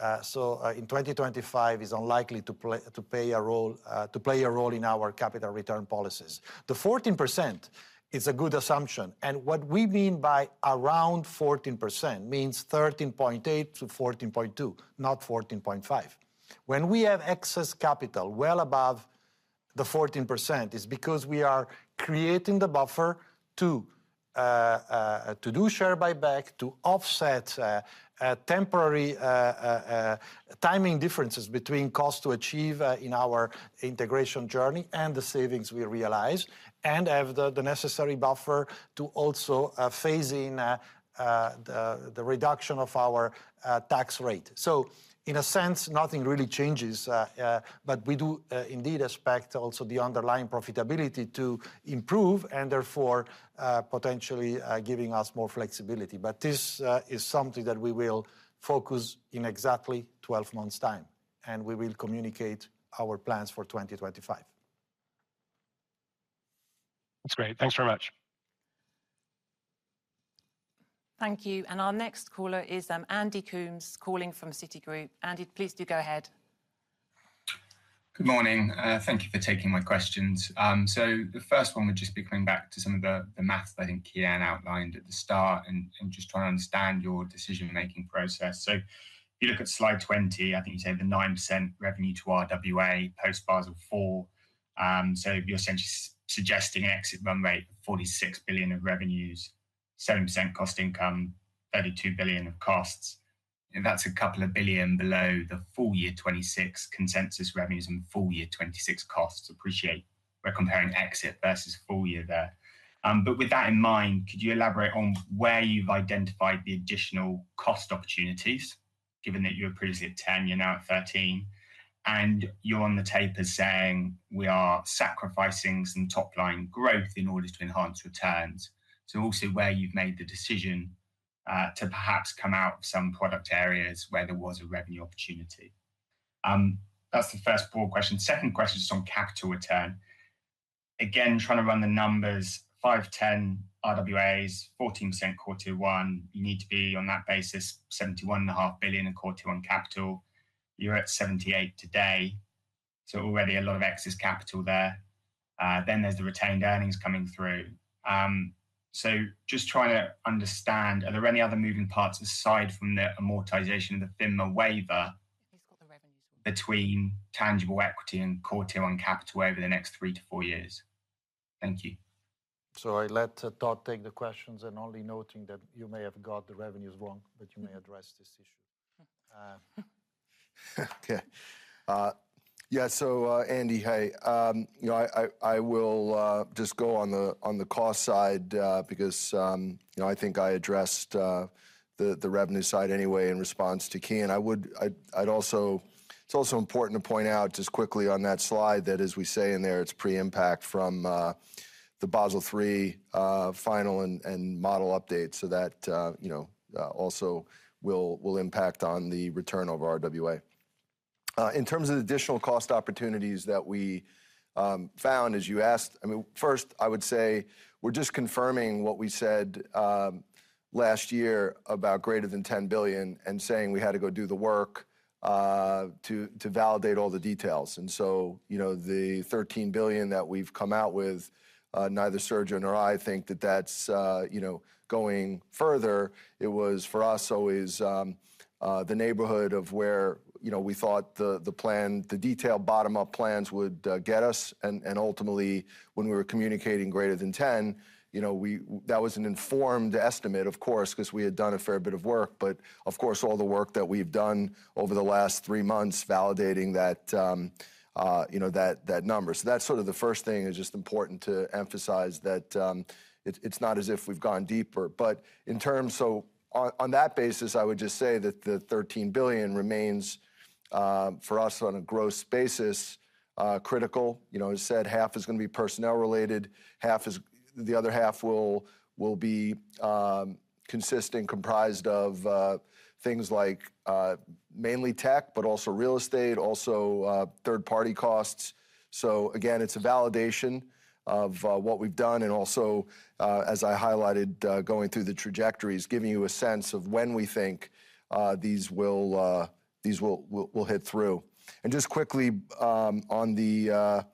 will, so, in 2025, is unlikely to play a role, to play a role in our capital return policies. The 14% is a good assumption, and what we mean by around 14% means 13.8%-14.2%, not 14.5%. When we have excess capital well above the 14%, it's because we are creating the buffer to do share buyback, to offset temporary timing differences between cost to achieve in our integration journey and the savings we realize, and have the necessary buffer to also phase in the reduction of our tax rate. So in a sense, nothing really changes, but we do indeed expect also the underlying profitability to improve and therefore potentially giving us more flexibility. But this is something that we will focus in exactly 12 months' time, and we will communicate our plans for 2025. That's great. Thanks very much. Thank you, and our next caller is, Andy Coombs, calling from Citigroup. Andy, please do go ahead. Good morning. Thank you for taking my questions. So the first one would just be coming back to some of the maths that I think Kian outlined at the start, and just trying to understand your decision-making process. So if you look at slide 20, I think you say the 9% revenue to RWA post Basel IV. So you're essentially suggesting exit run rate, 46 billion of revenues. 7% cost-income, 32 billion of costs, and that's a couple of billion below the full year 2026 consensus revenues and full year 2026 costs. Appreciate we're comparing exit versus full year there. But with that in mind, could you elaborate on where you've identified the additional cost opportunities, given that you were previously at 10, you're now at 13, and you're on the tape as saying, "We are sacrificing some top-line growth in order to enhance returns"? So also where you've made the decision to perhaps come out of some product areas where there was a revenue opportunity. That's the first four questions. Second question is on capital return. Again, trying to run the numbers, 510 billion RWAs, 14% Core Tier 1. You need to be, on that basis, 71.5 billion in Core Tier 1 capital. You're at 78 billion today, so already a lot of excess capital there. Then there's the retained earnings coming through. So just trying to understand, are there any other moving parts aside from the amortization of the FINMA waiver- He's got the revenues- between tangible equity and Core Tier 1 capital over the next three to four years? Thank you. So I let Todd take the questions and only noting that you may have got the revenues wrong, but you may address this issue. Okay. Yeah, so, Andy, hey. You know, I will just go on the cost side, because, you know, I think I addressed the revenue side anyway in response to Kian. I'd also. It's also important to point out just quickly on that slide, that as we say in there, it's pre-impact from the Basel III final and model updates. So that also will impact on the return of our RWA. In terms of additional cost opportunities that we found, as you asked, I mean, first, I would say we're just confirming what we said last year about greater than 10 billion, and saying we had to go do the work to validate all the details. And so, you know, the 13 billion that we've come out with, neither Sergio or I think that that's, you know, going further. It was for us, always, the neighborhood of where, you know, we thought the, the plan, the detailed bottom-up plans would get us. And ultimately, when we were communicating greater than 10, you know, we. That was an informed estimate, of course, because we had done a fair bit of work. But of course, all the work that we've done over the last three months, validating that, you know, that, that number. So that's sort of the first thing, it's just important to emphasize that, it, it's not as if we've gone deeper. But in terms... So on that basis, I would just say that the 13 billion remains for us, on a gross basis, critical. You know, as said, half is going to be personnel related, half is... The other half will be consisting, comprised of things like mainly tech, but also real estate, also third-party costs. So again, it's a validation of what we've done, and also, as I highlighted, going through the trajectories, giving you a sense of when we think these will hit through. And just quickly on the...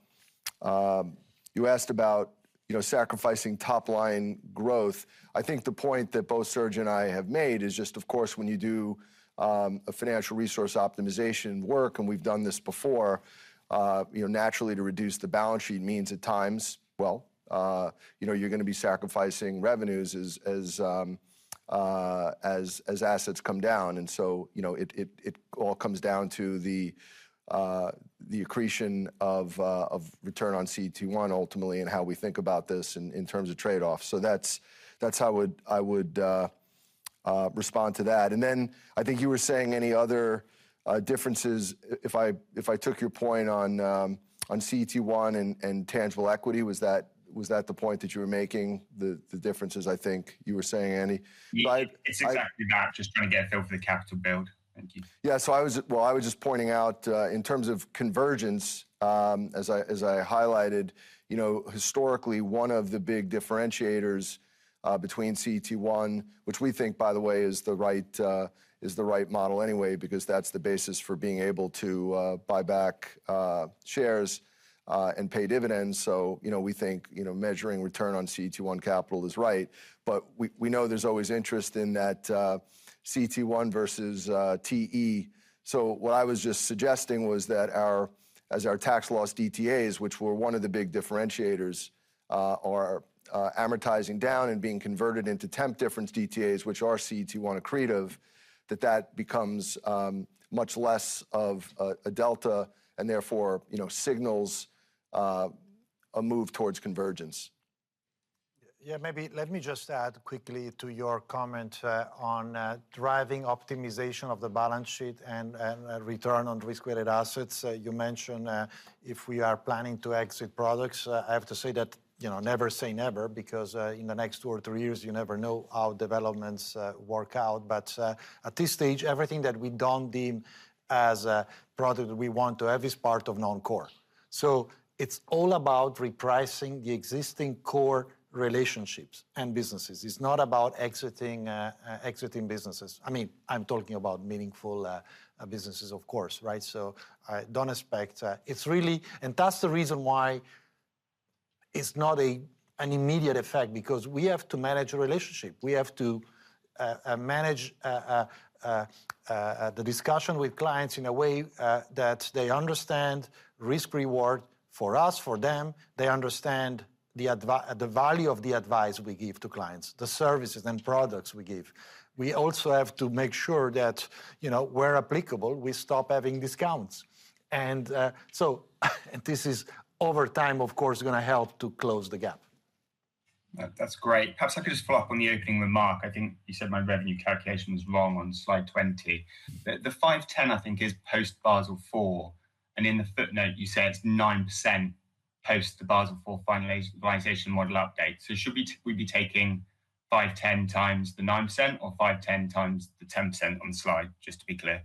You asked about, you know, sacrificing top-line growth. I think the point that both Sergio and I have made is just, of course, when you do a financial resource optimization work, and we've done this before, you know, naturally, to reduce the balance sheet means at times, well, you know, you're going to be sacrificing revenues as assets come down. And so, you know, it all comes down to the accretion of return on CET1 ultimately, and how we think about this in terms of trade-offs. So that's how I would respond to that. And then I think you were saying any other differences, if I took your point on CET1 and tangible equity, was that the point that you were making? The differences, I think you were saying, Andy. But I- It's exactly that. Just trying to get a feel for the capital build. Thank you. Yeah. So I was... Well, I was just pointing out, in terms of convergence, as I, as I highlighted, you know, historically, one of the big differentiators, between CET1, which we think, by the way, is the right, is the right model anyway, because that's the basis for being able to, buy back, shares, and pay dividends. So, you know, we think, you know, measuring return on CET1 capital is right, but we, we know there's always interest in that, CET1 versus TE. So what I was just suggesting was that our, as our tax loss DTAs, which were one of the big differentiators, are, amortizing down and being converted into temp difference DTAs, which are CET1 accretive, that that becomes, much less of a, a delta, and therefore, you know, signals, a move towards convergence. Yeah, maybe let me just add quickly to your comment on driving optimization of the balance sheet and return on risk-weighted assets. You mentioned if we are planning to exit products. I have to say that, you know, never say never, because in the next two or three years, you never know how developments work out. But at this stage, everything that we don't deem as a product that we want to have is part of non-core. So it's all about repricing the existing core relationships and businesses. It's not about exiting businesses. I mean, I'm talking about meaningful businesses, of course, right? So I don't expect... It's really- and that's the reason why it's not an immediate effect, because we have to manage a relationship. We have to-... manage the discussion with clients in a way that they understand risk reward for us, for them. They understand the value of the advice we give to clients, the services and products we give. We also have to make sure that, you know, where applicable, we stop having discounts. And so this is, over time, of course, gonna help to close the gap. That, that's great. Perhaps I could just follow up on the opening remark. I think you said my revenue calculation was wrong on slide 20. The 510 billion, I think, is post Basel IV, and in the footnote you said it's 9% post the Basel IV finalization model update. So should we—we be taking 510 billion times the 9% or 510 billion times the 10% on the slide, just to be clear?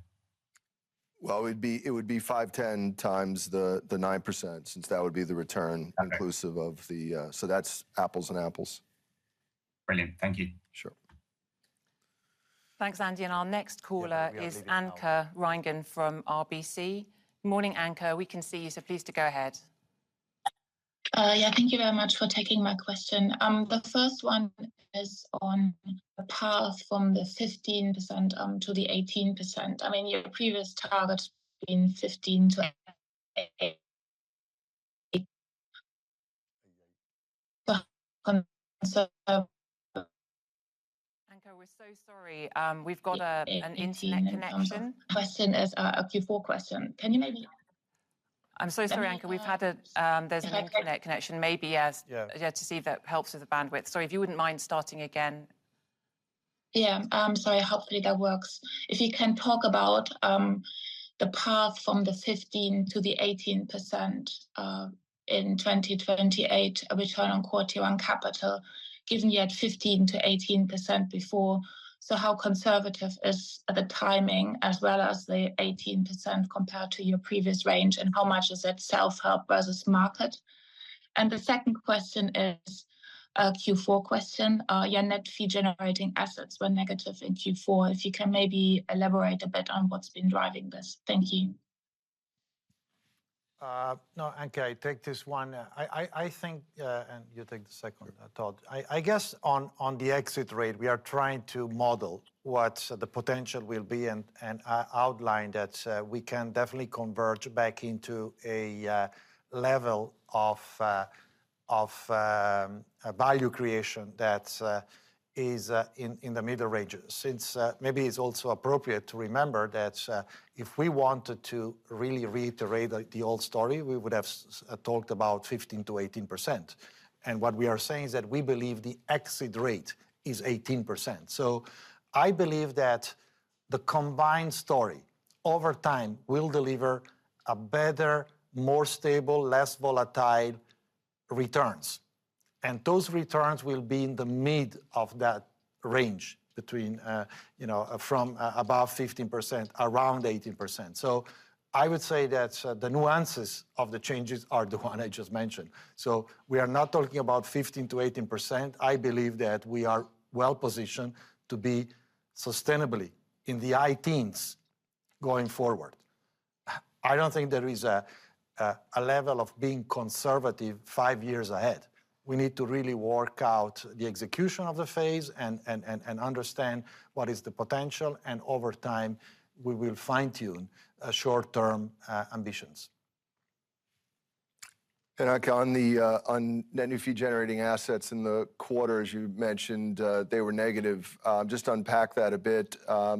Well, it would be 510 billion times the 9%, since that would be the return- Okay. - inclusive of the, So that's apples and apples. Brilliant. Thank you. Sure. Thanks, Andy. Our next caller is Anke Reingen from RBC. Morning, Anke. We can see you, so please go ahead. Yeah, thank you very much for taking my question. The first one is on the path from the 15% to the 18%. I mean, your previous target in 15 to Anke, we're so sorry. We've got an internet connection. Question is, a Q4 question. Can you maybe- I'm so sorry, Anke. Let me, We've had a... There's an internet connection. Okay. Maybe, yes- Yeah... yeah, to see if that helps with the bandwidth. Sorry, if you wouldn't mind starting again. Yeah, sorry, hopefully that works. If you can talk about the path from the 15% to the 18% in 2028, a return on Core Tier 1 capital, given you had 15%-18% before. So how conservative is the timing, as well as the 18% compared to your previous range, and how much is that self-help versus market? And the second question is a Q4 question. Your net fee-generating assets were negative in Q4. If you can maybe elaborate a bit on what's been driving this. Thank you. No, Anke, I take this one. I think and you take the second, Todd. I guess on the exit rate, we are trying to model what the potential will be and outline that we can definitely converge back into a level of value creation that is in the middle ranges. Since maybe it's also appropriate to remember that if we wanted to really reiterate the old story, we would have talked about 15%-18%. And what we are saying is that we believe the exit rate is 18%. So I believe that the combined story, over time, will deliver a better, more stable, less volatile returns. Those returns will be in the mid of that range between, you know, from above 15%, around 18%. So I would say that, the nuances of the changes are the one I just mentioned. So we are not talking about 15%-18%. I believe that we are well positioned to be sustainably in the high teens going forward. I don't think there is a level of being conservative five years ahead. We need to really work out the execution of the phase and understand what is the potential, and over time, we will fine-tune short-term ambitions. Anke, on net new fee-generating assets in the quarter, as you mentioned, they were negative. Just to unpack that a bit,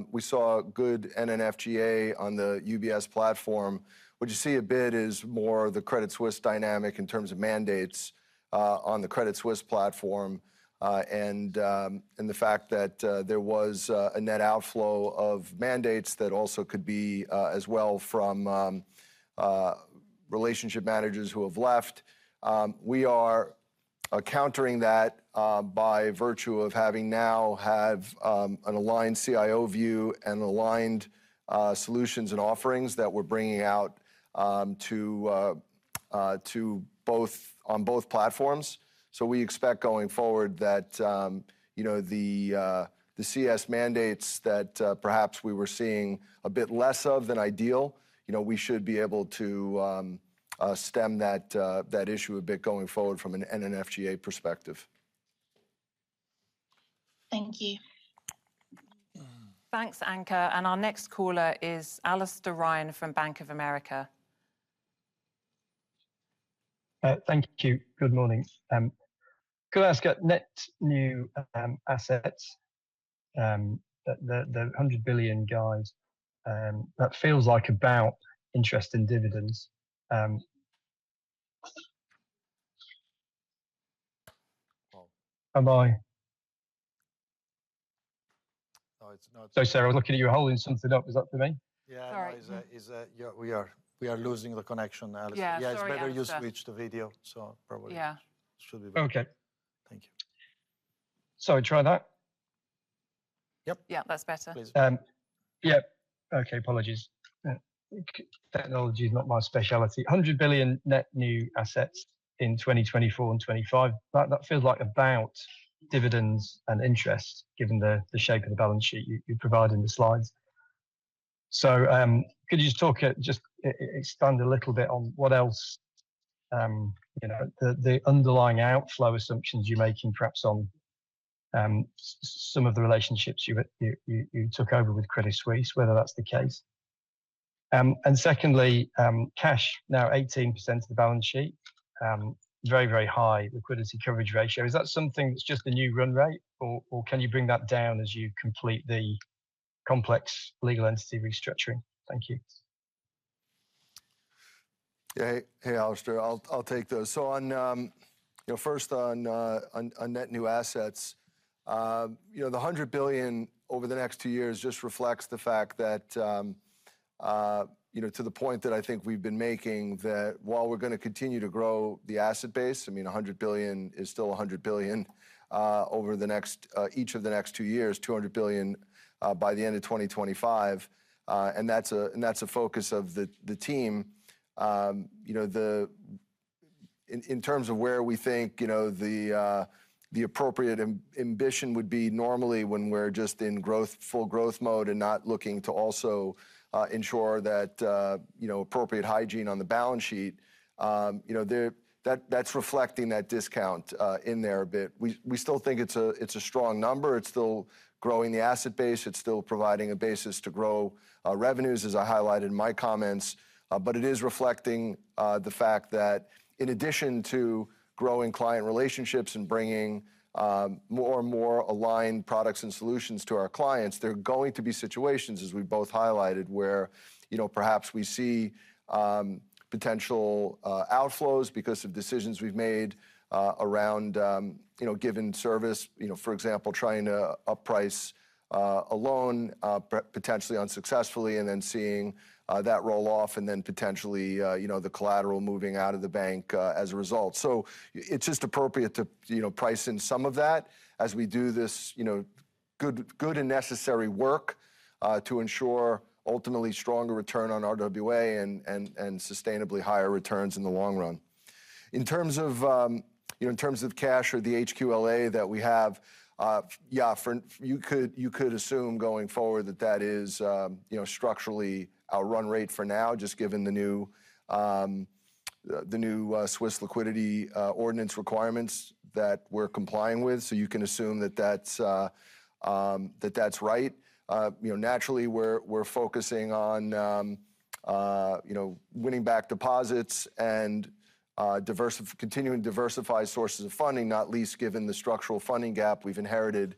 we saw good NNFGA on the UBS platform. What you see a bit is more the Credit Suisse dynamic in terms of mandates on the Credit Suisse platform, and the fact that there was a net outflow of mandates that also could be as well from relationship managers who have left. We are countering that by virtue of having now an aligned CIO view and aligned solutions and offerings that we're bringing out to both platforms. So we expect going forward that, you know, the CS mandates that, perhaps we were seeing a bit less than ideal, you know, we should be able to stem that issue a bit going forward from an NNFGA perspective. Thank you. Thanks, Anke, and our next caller is Alastair Ryan from Bank of America. Thank you. Good morning. Could I ask about net new assets, the 100 billion guidance, that feels like about interest and dividends. Am I- No, it's not- Sorry, Sarah, I was looking at you holding something up. Is that for me? Yeah. Sorry. Yeah, we are losing the connection, Alastair. Yeah, sorry about that. Yeah, it's better you switch the video, so probably- Yeah... should be better. Okay. Thank you. Sorry, try that? Yep. Yeah, that's better. Please. Yeah. Okay, apologies. Technology is not my specialty. 100 billion net new assets in 2024 and 2025, that feels like about dividends and interest, given the shape of the balance sheet you provided in the slides. So, could you just talk, just expand a little bit on what else, you know, the underlying outflow assumptions you're making, perhaps on some of the relationships you took over with Credit Suisse, whether that's the case? And secondly, cash, now 18% of the balance sheet, very, very high liquidity coverage ratio. Is that something that's just the new run rate, or can you bring that down as you complete the complex legal entity restructuring? Thank you. Yeah. Hey, Alastair, I'll take those. So on, you know, first on net new assets, you know, the 100 billion over the next two years just reflects the fact that, you know, to the point that I think we've been making, that while we're gonna continue to grow the asset base, I mean, 100 billion is still 100 billion, over the next, each of the next two years, 200 billion, by the end of 2025. And that's a focus of the team. You know, the... In terms of where we think, you know, the appropriate ambition would be normally when we're just in full growth mode and not looking to also ensure that, you know, appropriate hygiene on the balance sheet, you know, there, that's reflecting that discount in there a bit. We still think it's a strong number. It's still growing the asset base, it's still providing a basis to grow revenues, as I highlighted in my comments. But it is reflecting the fact that in addition to growing client relationships and bringing more and more aligned products and solutions to our clients, there are going to be situations, as we've both highlighted, where, you know, perhaps we see potential outflows because of decisions we've made around, you know, giving service. You know, for example, trying to upprice a loan potentially unsuccessfully, and then seeing that roll off and then potentially you know, the collateral moving out of the bank as a result. So it's just appropriate to, you know, price in some of that as we do this, you know, good, good and necessary work to ensure ultimately stronger return on RWA and sustainably higher returns in the long run. In terms of you know, in terms of cash or the HQLA that we have, yeah, you could assume going forward that that is you know, structurally our run rate for now, just given the new Swiss liquidity ordinance requirements that we're complying with. So you can assume that that's right. You know, naturally, we're focusing on you know, winning back deposits and continuing to diversify sources of funding, not least given the structural funding gap we've inherited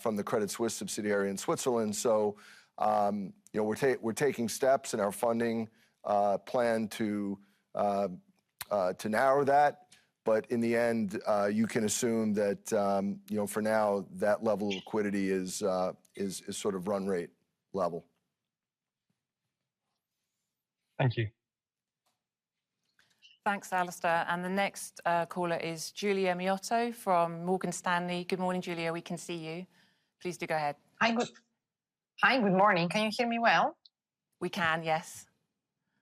from the Credit Suisse subsidiary in Switzerland. So, you know, we're taking steps in our funding plan to narrow that. But in the end, you can assume that, you know, for now, that level of liquidity is sort of run rate level. Thank you. Thanks, Alastair, and the next caller is Giulia Miotto from Morgan Stanley. Good morning, Giulia. We can see you. Please do go ahead. Hi, good morning. Can you hear me well? We can, yes.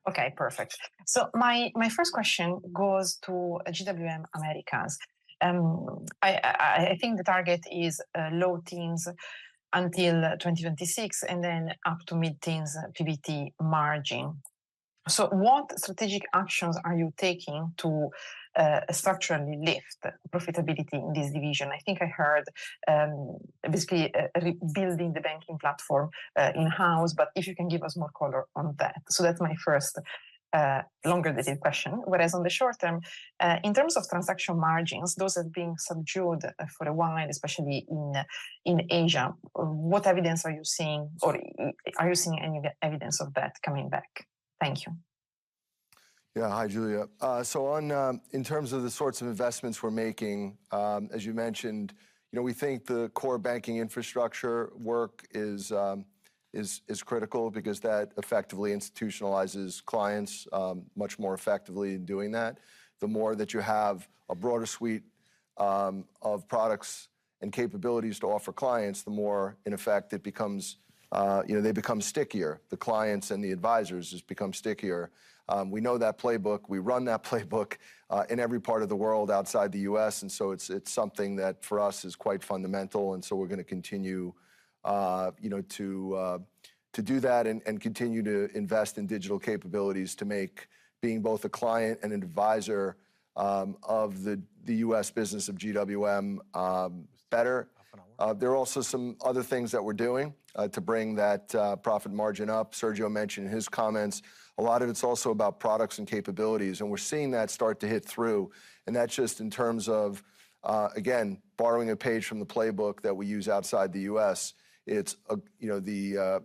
Okay, perfect. So my first question goes to GWM Americas. I think the target is low teens until 2026, and then up to mid-teens PBT margin. So what strategic actions are you taking to structurally lift profitability in this division? I think I heard basically rebuilding the banking platform in-house, but if you can give us more color on that. So that's my first longer-dated question. Whereas on the short term, in terms of transaction margins, those have been subdued for a while, especially in Asia. What evidence are you seeing, or are you seeing any evidence of that coming back? Thank you. Yeah. Hi, Giulia. So on, in terms of the sorts of investments we're making, as you mentioned, you know, we think the core banking infrastructure work is, is critical because that effectively institutionalizes clients, much more effectively in doing that. The more that you have a broader suite of products and capabilities to offer clients, the more, in effect, it becomes, you know, they become stickier. The clients and the advisors just become stickier. We know that playbook. We run that playbook in every part of the world outside the U.S., and so it's, it's something that, for us, is quite fundamental, and so we're gonna continue, you know, to do that, and, and continue to invest in digital capabilities to make being both a client and an advisor, of the, the U.S. business of GWM, better. There are also some other things that we're doing, to bring that, profit margin up. Sergio mentioned in his comments, a lot of it's also about products and capabilities, and we're seeing that start to hit through, and that's just in terms of, again, borrowing a page from the playbook that we use outside the U.S. It's a, you know, the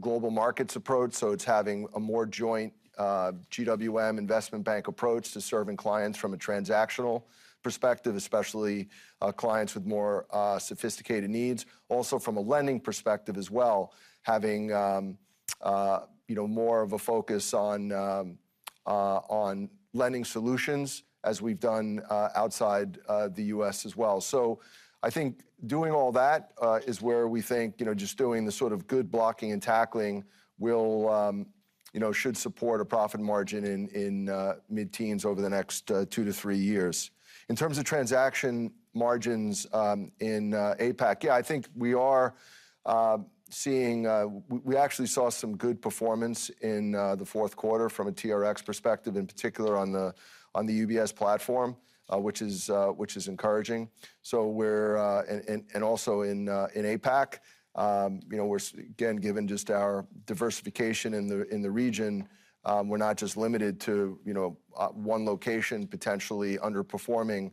global markets approach, so it's having a more joint GWM Investment Bank approach to serving clients from a transactional perspective, especially clients with more sophisticated needs. Also, from a lending perspective as well, having, you know, more of a focus on lending solutions, as we've done outside the U.S. as well. So I think doing all that is where we think, you know, just doing the sort of good blocking and tackling will-... you know, should support a profit margin in mid-teens over the next two to three years. In terms of transaction margins, in APAC, yeah, I think we are seeing we actually saw some good performance in the fourth quarter from a TRX perspective, in particular on the UBS platform, which is encouraging. So we're... And also in APAC, you know, we're again, given just our diversification in the region, we're not just limited to, you know, one location potentially underperforming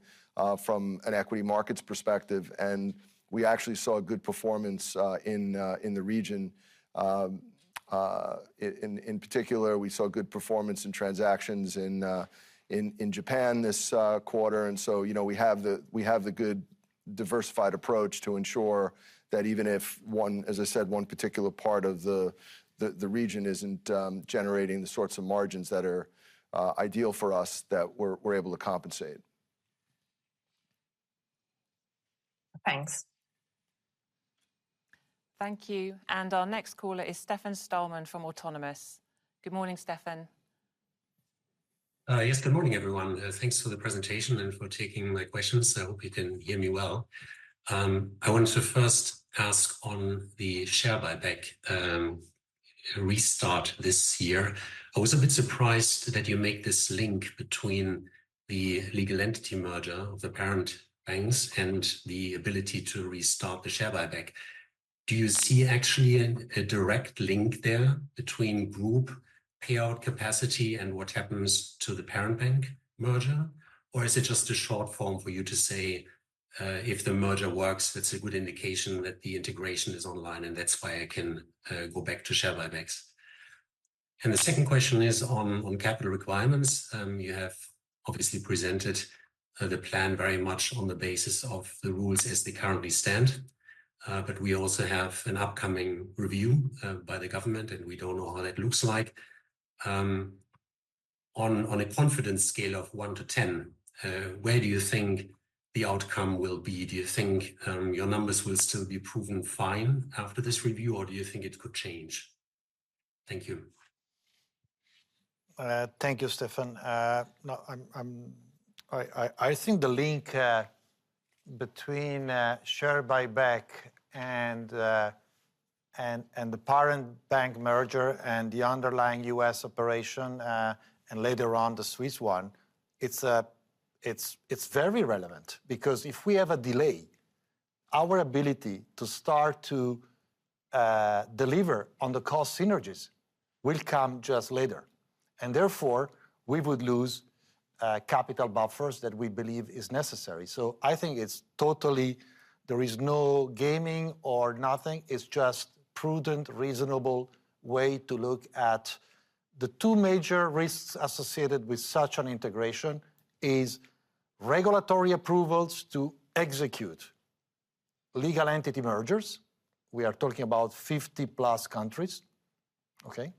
from an equity markets perspective. And we actually saw good performance in the region, in particular, we saw good performance in transactions in Japan this quarter. You know, we have the good diversified approach to ensure that even if one, as I said, one particular part of the region isn't generating the sorts of margins that are ideal for us, that we're able to compensate. Thanks. Thank you. And our next caller is Stefan Stalmann from Autonomous. Good morning, Stefan. Yes, good morning, everyone. Thanks for the presentation and for taking my questions. I hope you can hear me well. I wanted to first ask on the share buyback restart this year. I was a bit surprised that you make this link between the legal entity merger of the parent banks and the ability to restart the share buyback. Do you see actually a direct link there between group payout capacity and what happens to the parent bank merger? Or is it just a short form for you to say, "If the merger works, that's a good indication that the integration is online, and that's why I can go back to share buybacks"? And the second question is on capital requirements. You have obviously presented the plan very much on the basis of the rules as they currently stand, but we also have an upcoming review by the government, and we don't know how that looks like. On a confidence scale of one to 10, where do you think the outcome will be? Do you think your numbers will still be proven fine after this review, or do you think it could change? Thank you. Thank you, Stefan. No, I think the link between share buyback and the parent bank merger and the underlying U.S. operation and later on, the Swiss one, it's very relevant. Because if we have a delay, our ability to start to deliver on the cost synergies will come just later, and therefore, we would lose capital buffers that we believe is necessary. So I think it's totally... There is no gaming or nothing, it's just prudent, reasonable way to look at the two major risks associated with such an integration is regulatory approvals to execute legal entity mergers. We are talking about 50+ countries, okay?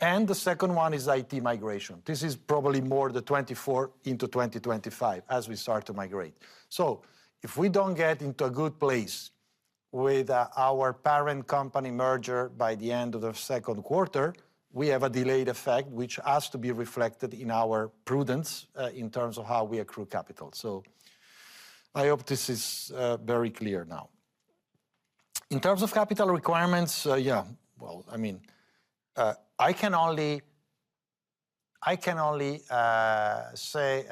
And the second one is IT migration. This is probably more the 2024 into 2025 as we start to migrate. So if we don't get into a good place with our parent company merger by the end of the second quarter, we have a delayed effect, which has to be reflected in our prudence in terms of how we accrue capital. So I hope this is very clear now. In terms of capital requirements, yeah, well, I mean, I can only, I can only say,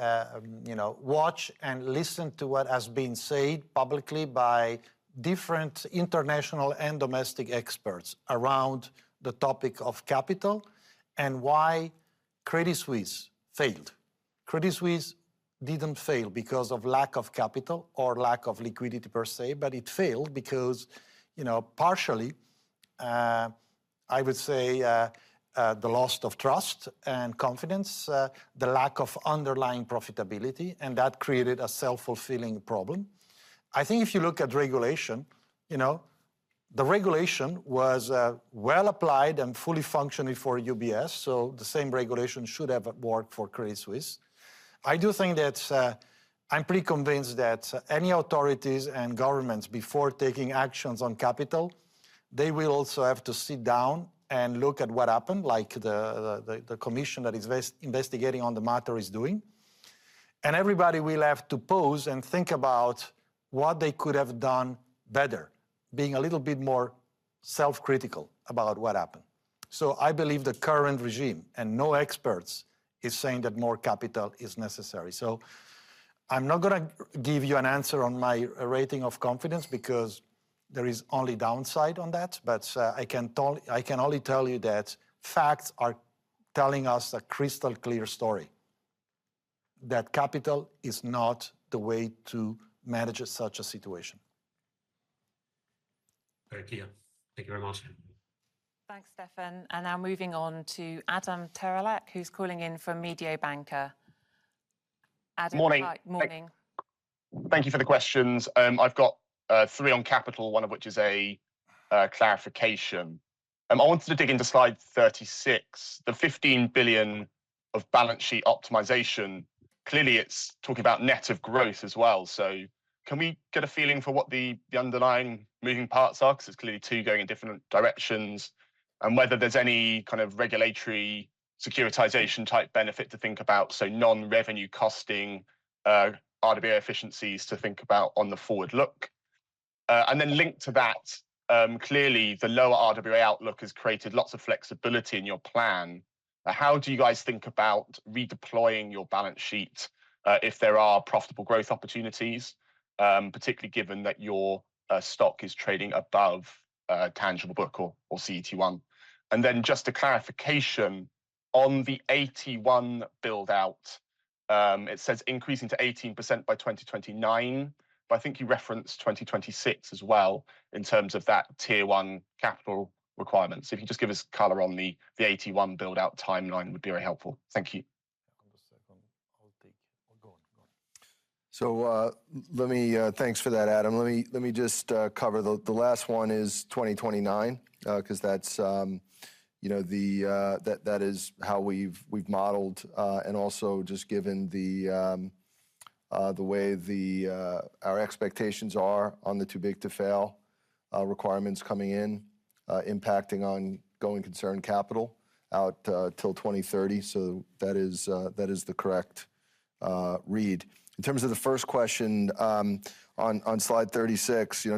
you know, watch and listen to what has been said publicly by different international and domestic experts around the topic of capital, and why Credit Suisse failed. Credit Suisse didn't fail because of lack of capital or lack of liquidity per se, but it failed because, you know, partially, I would say, the loss of trust and confidence, the lack of underlying profitability, and that created a self-fulfilling problem. I think if you look at regulation, you know, the regulation was well applied and fully functioning for UBS, so the same regulation should have worked for Credit Suisse. I do think that I'm pretty convinced that any authorities and governments, before taking actions on capital, they will also have to sit down and look at what happened, like the Commission that is investigating on the matter is doing. And everybody will have to pause and think about what they could have done better, being a little bit more self-critical about what happened. So I believe the current regime, and no experts, is saying that more capital is necessary. So I'm not gonna give you an answer on my rating of confidence, because there is only downside on that. But, I can only tell you that facts are telling us a crystal-clear story, that capital is not the way to manage such a situation. Very clear. Thank you very much. Thanks, Stefan. Now moving on to Adam Terelak, who's calling in from Mediobanca. Adam- Morning. Morning. Thank you for the questions. I've got three on capital, one of which is a clarification. I wanted to dig into slide 36, the 15 billion of balance sheet optimization, clearly it's talking about net of growth as well. So can we get a feeling for what the underlying moving parts are? Because there's clearly two going in different directions, and whether there's any kind of regulatory securitization type benefit to think about, so non-revenue costing RWA efficiencies to think about on the forward look. And then linked to that, clearly the lower RWA outlook has created lots of flexibility in your plan. But how do you guys think about redeploying your balance sheet, if there are profitable growth opportunities, particularly given that your stock is trading above tangible book or CET1? Then just a clarification, on the AT1 build-out, it says increasing to 18% by 2029, but I think you referenced 2026 as well in terms of that Tier 1 capital requirement. So if you could just give us color on the AT1 build-out timeline, that would be very helpful. Thank you. So, let me... Thanks for that, Adam. Let me, let me just cover the last one is 2029, 'cause that's, you know, the, that, that is how we've, we've modeled. And also just given the, the way the, our expectations are on the Too Big to Fail, requirements coming in, impacting on going concern capital out, till 2030. So that is, that is the correct, read. In terms of the first question, on, on slide 36, you know,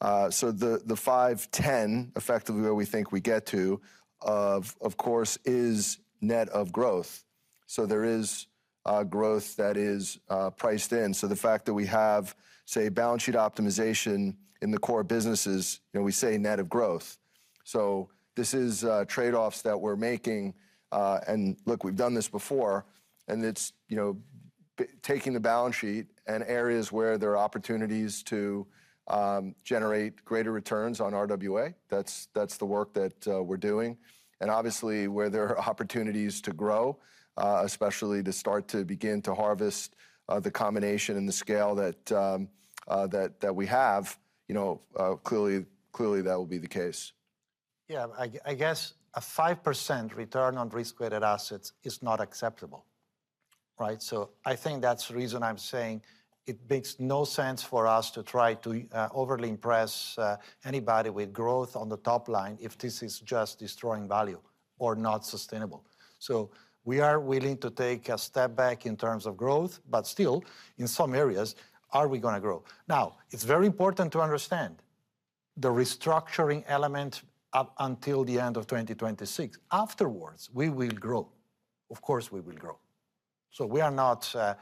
and, so the, the 510 billion, effectively where we think we get to, of, of course, is net of growth. So there is, growth that is, priced in. So the fact that we have, say, balance sheet optimization in the core businesses, you know, we say net of growth. So this is trade-offs that we're making. And look, we've done this before, and it's, you know, taking the balance sheet and areas where there are opportunities to generate greater returns on RWA, that's, that's the work that we're doing. And obviously, where there are opportunities to grow, especially to start to begin to harvest the combination and the scale that, that we have, you know, clearly, clearly, that will be the case. Yeah, I guess a 5% return on risk-weighted assets is not acceptable, right? So I think that's the reason I'm saying it makes no sense for us to try to overly impress anybody with growth on the top line if this is just destroying value or not sustainable. So we are willing to take a step back in terms of growth, but still, in some areas, are we gonna grow? Now, it's very important to understand the restructuring element up until the end of 2026. Afterwards, we will grow. Of course, we will grow. So we are not a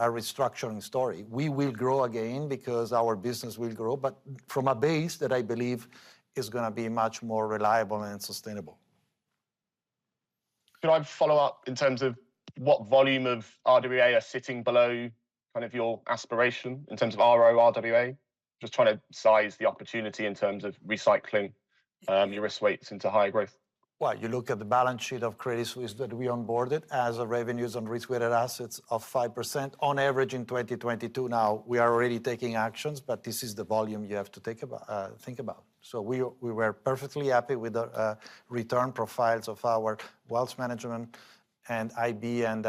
restructuring story. We will grow again because our business will grow, but from a base that I believe is gonna be much more reliable and sustainable. Could I follow up in terms of what volume of RWA are sitting below, kind of your aspiration in terms of RO RWA? Just trying to size the opportunity in terms of recycling your risk weights into higher growth. Well, you look at the balance sheet of Credit Suisse that we onboarded as a return on risk-weighted assets of 5% on average in 2022. Now, we are already taking actions, but this is the volume you have to take about, think about. So we were perfectly happy with the return profiles of our wealth management and IB and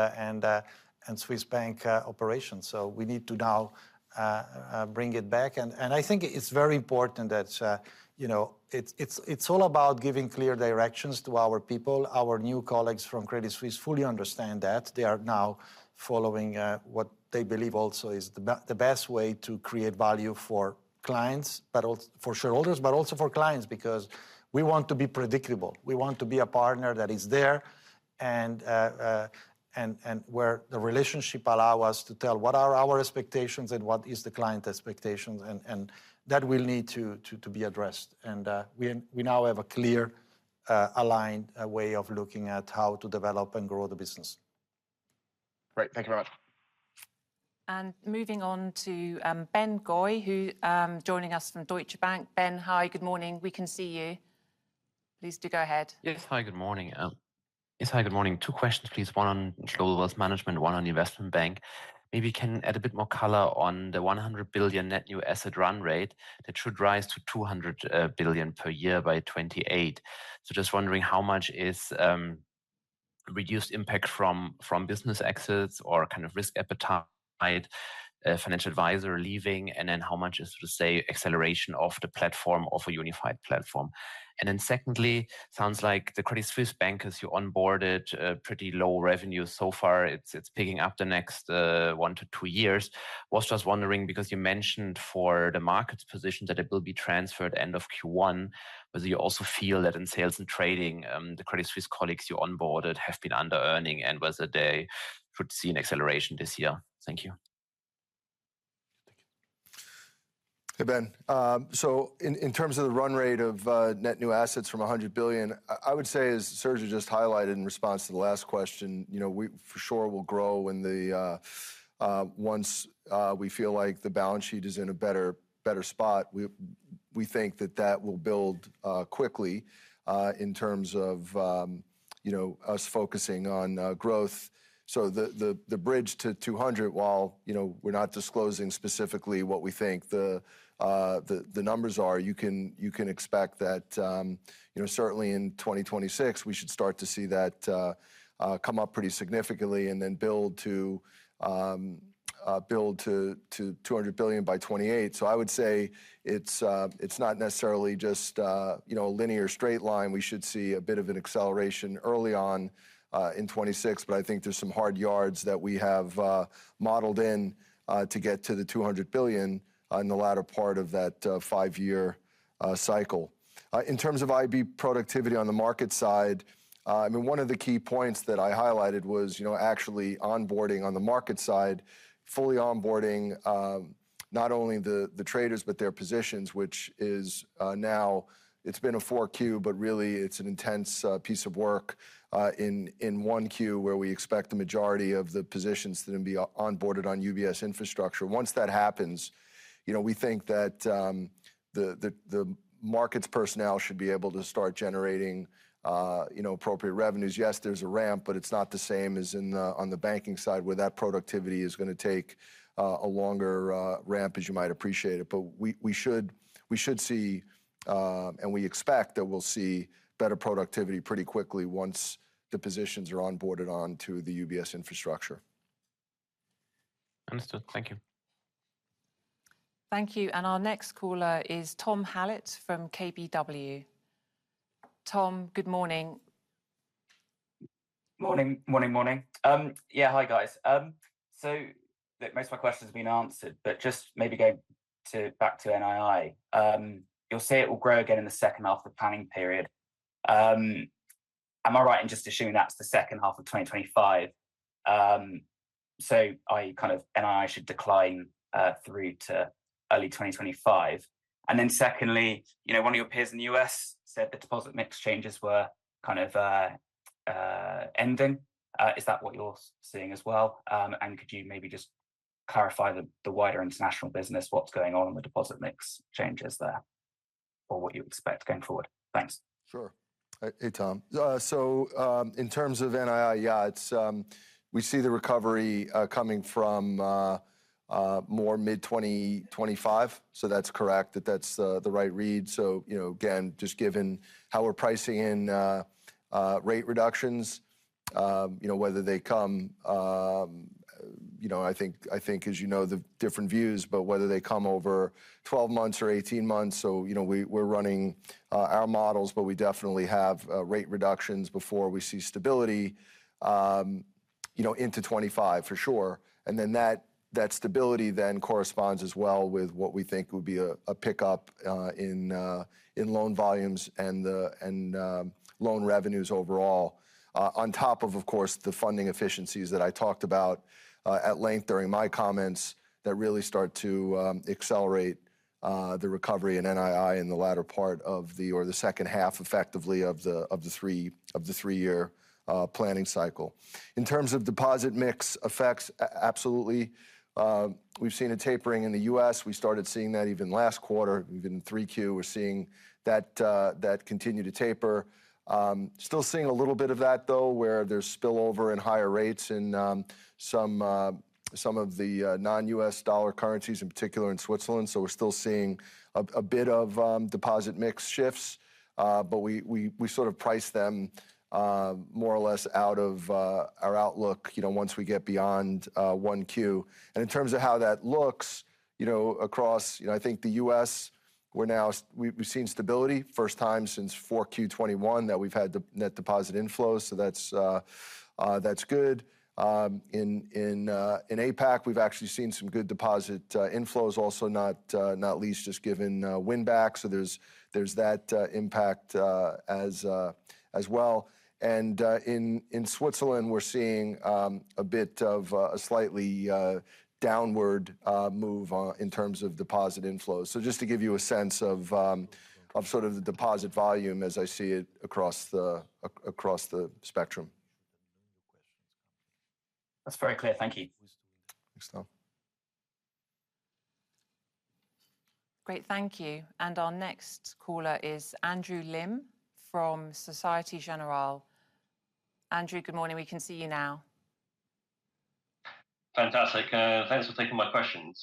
Swiss Bank operations. So we need to now bring it back. And I think it's very important that, you know, it's all about giving clear directions to our people. Our new colleagues from Credit Suisse fully understand that. They are now following what they believe also is the best way to create value for clients, but also for shareholders, but also for clients, because we want to be predictable. We want to be a partner that is there, and where the relationship allow us to tell what are our expectations and what is the client expectations, and that will need to be addressed. We now have a clear, aligned way of looking at how to develop and grow the business. Great. Thank you very much. Moving on to Ben Goy, who joining us from Deutsche Bank. Ben, hi, good morning. We can see you. Please do go ahead. Yes. Hi, good morning. Yes, hi, good morning. Two questions, please. One on global wealth management, one on Investment Bank. Maybe you can add a bit more color on the 100 billion net new asset run rate, that should rise to 200 billion per year by 2028. So just wondering how much is, reduced impact from, from business exits or kind of risk appetite, financial advisor leaving, and then how much is, to say, acceleration of the platform, of a unified platform? And then secondly, sounds like the Credit Suisse Bank, as you onboarded, pretty low revenue so far, it's, it's picking up the next, one to two years. Was just wondering, because you mentioned for the markets position that it will be transferred end of Q1, whether you also feel that in sales and trading, the Credit Suisse colleagues you onboarded have been under-earning, and whether they should see an acceleration this year. Thank you. Hey, Ben. So in, in terms of the run rate of net new assets from 100 billion, I, I would say, as Sergio just highlighted in response to the last question, you know, we for sure will grow when the... Once we feel like the balance sheet is in a better, better spot, we, we think that that will build quickly in terms of, you know, us focusing on growth. So the, the, the bridge to 200, while, you know, we're not disclosing specifically what we think the, the, the numbers are, you can, you can expect that, you know, certainly in 2026, we should start to see that come up pretty significantly and then build to... build to, to 200 billion by 2028. So I would say it's, it's not necessarily just, you know, a linear straight line. We should see a bit of an acceleration early on, in 2026, but I think there's some hard yards that we have, modeled in, to get to the 200 billion, in the latter part of that, five-year, cycle. In terms of IB productivity on the market side, I mean, one of the key points that I highlighted was, you know, actually onboarding on the market side, fully onboarding, not only the, the traders, but their positions, which is, now it's been a 4Q, but really it's an intense, piece of work, in, in 1Q, where we expect the majority of the positions to then be on-boarded on UBS infrastructure. Once that happens, you know, we think that the markets personnel should be able to start generating, you know, appropriate revenues. Yes, there's a ramp, but it's not the same as in on the banking side, where that productivity is gonna take a longer ramp, as you might appreciate it. But we should see, and we expect that we'll see better productivity pretty quickly once the positions are onboarded on to the UBS infrastructure. Understood. Thank you. Thank you, and our next caller is Tom Hallett from KBW. Tom, good morning. Morning. Morning, morning. Yeah, hi, guys. So look, most of my questions have been answered, but just maybe going back to NII. You'll say it will grow again in the second half of the planning period. Am I right in just assuming that's the second half of 2025? So I kind of NII should decline through to early 2025. And then secondly, you know, one of your peers in the U.S. said the deposit mix changes were kind of ending. Is that what you're seeing as well? And could you maybe just clarify the wider international business, what's going on in the deposit mix changes there, or what you expect going forward? Thanks. Sure. Hey, Tom. So, in terms of NII, yeah, it's, we see the recovery, coming from, more mid-2025, so that's correct, that's the right read. So, you know, again, just given how we're pricing in, rate reductions, you know, I think, I think as you know, the different views, but whether they come, you know, I think, I think as you know, the different views, but whether they come over 12 months or 18 months, so, you know, we, we're running, our models, but we definitely have, rate reductions before we see stability, you know, into 2025, for sure. And then that, that stability then corresponds as well with what we think would be a, a pickup, in, in loan volumes and the, and, loan revenues overall. On top of, of course, the funding efficiencies that I talked about at length during my comments, that really start to accelerate the recovery in NII in the latter part of the second half, effectively of the three-year planning cycle. In terms of deposit mix effects, absolutely, we've seen a tapering in the U.S. We started seeing that even last quarter. Even in 3Q, we're seeing that continue to taper. Still seeing a little bit of that, though, where there's spillover and higher rates in some of the non-U.S. dollar currencies, in particular in Switzerland. So we're still seeing a bit of deposit mix shifts. But we sort of price them more or less out of our outlook, you know, once we get beyond 1Q. And in terms of how that looks, you know, across, you know, I think the U.S., we're now we've seen stability first time since 4Q 2021 that we've had the net deposit inflows, so that's good. In APAC, we've actually seen some good deposit inflows also, not least, just given win back. So there's that impact as well. And in Switzerland, we're seeing a bit of a slightly downward move in terms of deposit inflows. So just to give you a sense of sort of the deposit volume as I see it across the spectrum. That's very clear. Thank you. Thanks, Tom. Great, thank you. Our next caller is Andrew Lim from Société Générale. Andrew, good morning. We can see you now. Fantastic, thanks for taking my questions.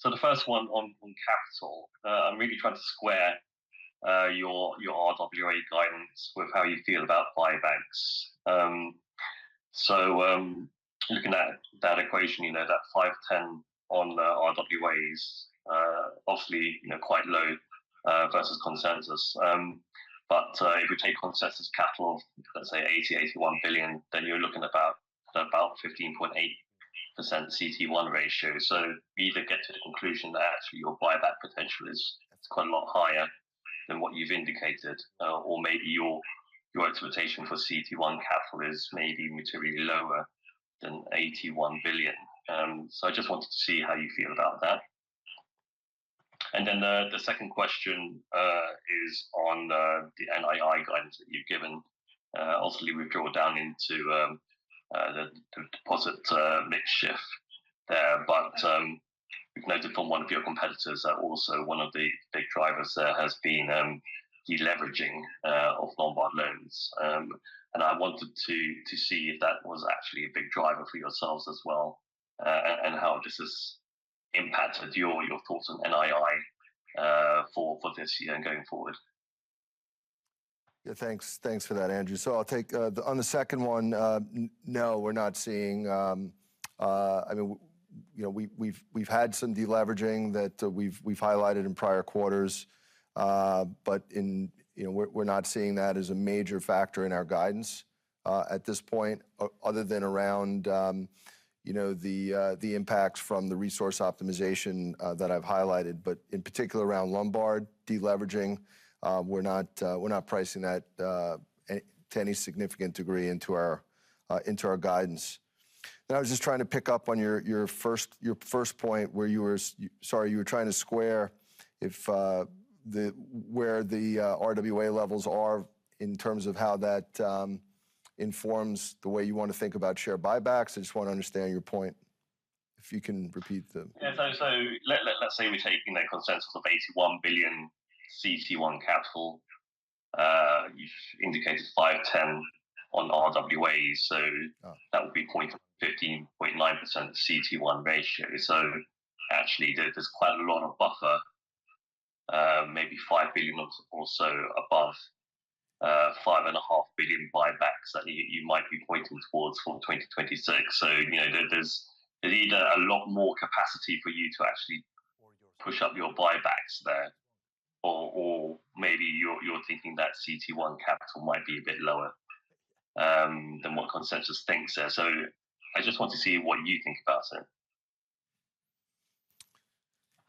So the first one on capital. I'm really trying to square your RWA guidance with how you feel about buybacks. So, looking at that equation, you know, that 510 billion on the RWAs, obviously, you know, quite low versus consensus. But if you take consensus capital, let's say 80-81 billion, then you're looking about fifteen point eight percent CET1 ratio. So we either get to the conclusion that actually your buyback potential is quite a lot higher than what you've indicated, or maybe your expectation for CET1 capital is maybe materially lower than 81 billion. So I just wanted to see how you feel about that. And then the second question is on the NII guidance that you've given. Obviously, we've drilled down into the deposit mix shift there, but we've noted from one of your competitors that also one of the big drivers there has been deleveraging of Lombard loans. And I wanted to see if that was actually a big driver for yourselves as well, and how this has impacted your thoughts on NII for this year and going forward? Yeah, thanks. Thanks for that, Andrew. So I'll take on the second one, no, we're not seeing... I mean, you know, we've had some deleveraging that we've highlighted in prior quarters. But, you know, we're not seeing that as a major factor in our guidance at this point, other than around, you know, the impacts from the resource optimization that I've highlighted. But in particular, around Lombard deleveraging, we're not pricing that to any significant degree into our guidance. I was just trying to pick up on your first point where you were, sorry, you were trying to square if where the RWA levels are in terms of how that informs the way you want to think about share buybacks. I just want to understand your point, if you can repeat the- Yeah. So, let's say we're taking that consensus of 81 billion CET1 capital. You've indicated 510 billion on RWAs, so- Oh... that would be 15.9% CET1 ratio. So actually, there's quite a lot of buffer, maybe 5 billion or so above, 5.5 billion buybacks that you might be pointing towards for 2026. So, you know, there, there's either a lot more capacity for you to actually push up your buybacks there, or maybe you're thinking that CET1 capital might be a bit lower, than what consensus thinks there. So I just want to see what you think about it, sir.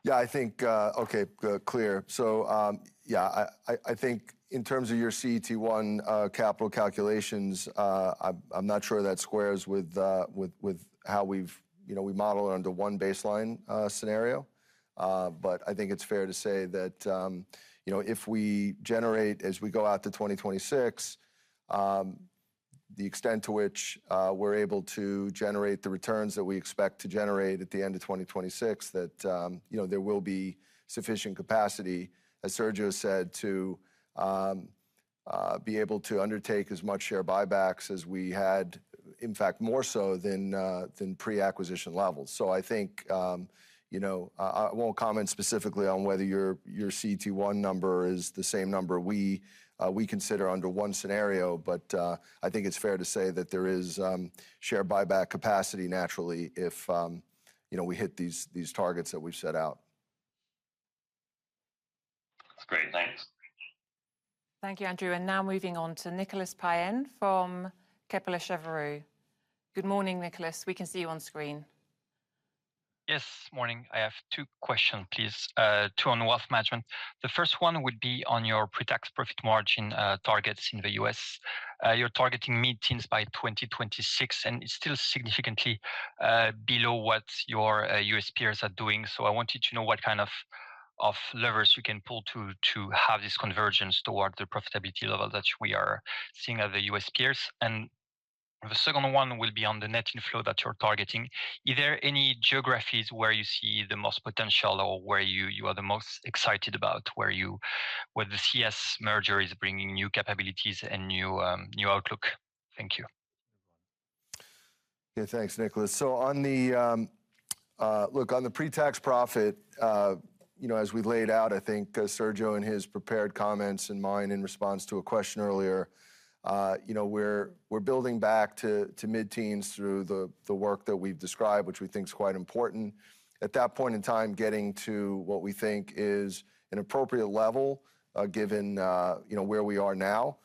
Yeah, I think... Okay, clear. So, yeah, I think in terms of your CET1 capital calculations, I'm not sure that squares with how we've, you know, we model it under one baseline scenario. But I think it's fair to say that, you know, if we generate, as we go out to 2026, the extent to which we're able to generate the returns that we expect to generate at the end of 2026, that, you know, there will be sufficient capacity, as Sergio said, to be able to undertake as much share buybacks as we had, in fact, more so than pre-acquisition levels. So I think, you know, I, I won't comment specifically on whether your, your CET1 number is the same number we, we consider under one scenario. But, I think it's fair to say that there is, share buyback capacity naturally if, you know, we hit these, these targets that we've set out. That's great. Thanks. Thank you, Andrew. And now moving on to Nicolas Payen from Kepler Cheuvreux. Good morning, Nicolas. We can see you on screen. Yes, morning. I have two questions, please. Two on wealth management. The first one would be on your pre-tax profit margin targets in the U.S. You're targeting mid-teens by 2026, and it's still significantly below what your U.S. peers are doing. I wanted to know what kind of levers you can pull to have this convergence towards the profitability level that we are seeing at the U.S. peers. The second one will be on the net inflow that you're targeting. Is there any geographies where you see the most potential or where you are the most excited about, where the CS merger is bringing new capabilities and new outlook? Thank you. Yeah, thanks, Nicolas. So on the pre-tax profit, you know, as we laid out, I think, Sergio and his prepared comments and mine in response to a question earlier, you know, we're, we're building back to, to mid-teens through the, the work that we've described, which we think is quite important. At that point in time, getting to what we think is an appropriate level, given, you know, where we are now.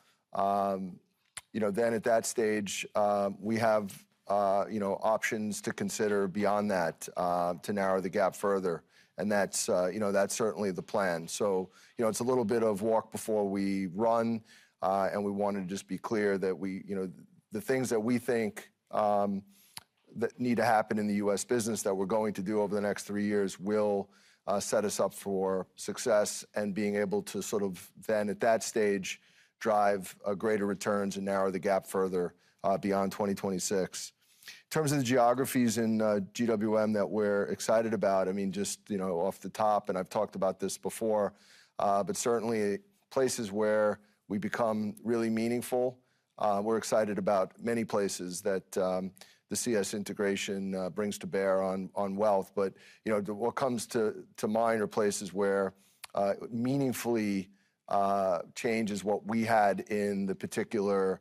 You know, then at that stage, we have, you know, options to consider beyond that, to narrow the gap further, and that's, you know, that's certainly the plan. So, you know, it's a little bit of walk before we run, and we want to just be clear that we... You know, the things that we think, that need to happen in the U.S. business that we're going to do over the next three years will set us up for success and being able to sort of then, at that stage, drive greater returns and narrow the gap further, beyond 2026. In terms of the geographies in GWM that we're excited about, I mean, just, you know, off the top, and I've talked about this before, but certainly places where we become really meaningful, we're excited about many places that the CS integration brings to bear on wealth. But, you know, what comes to mind are places where meaningfully changes what we had in the particular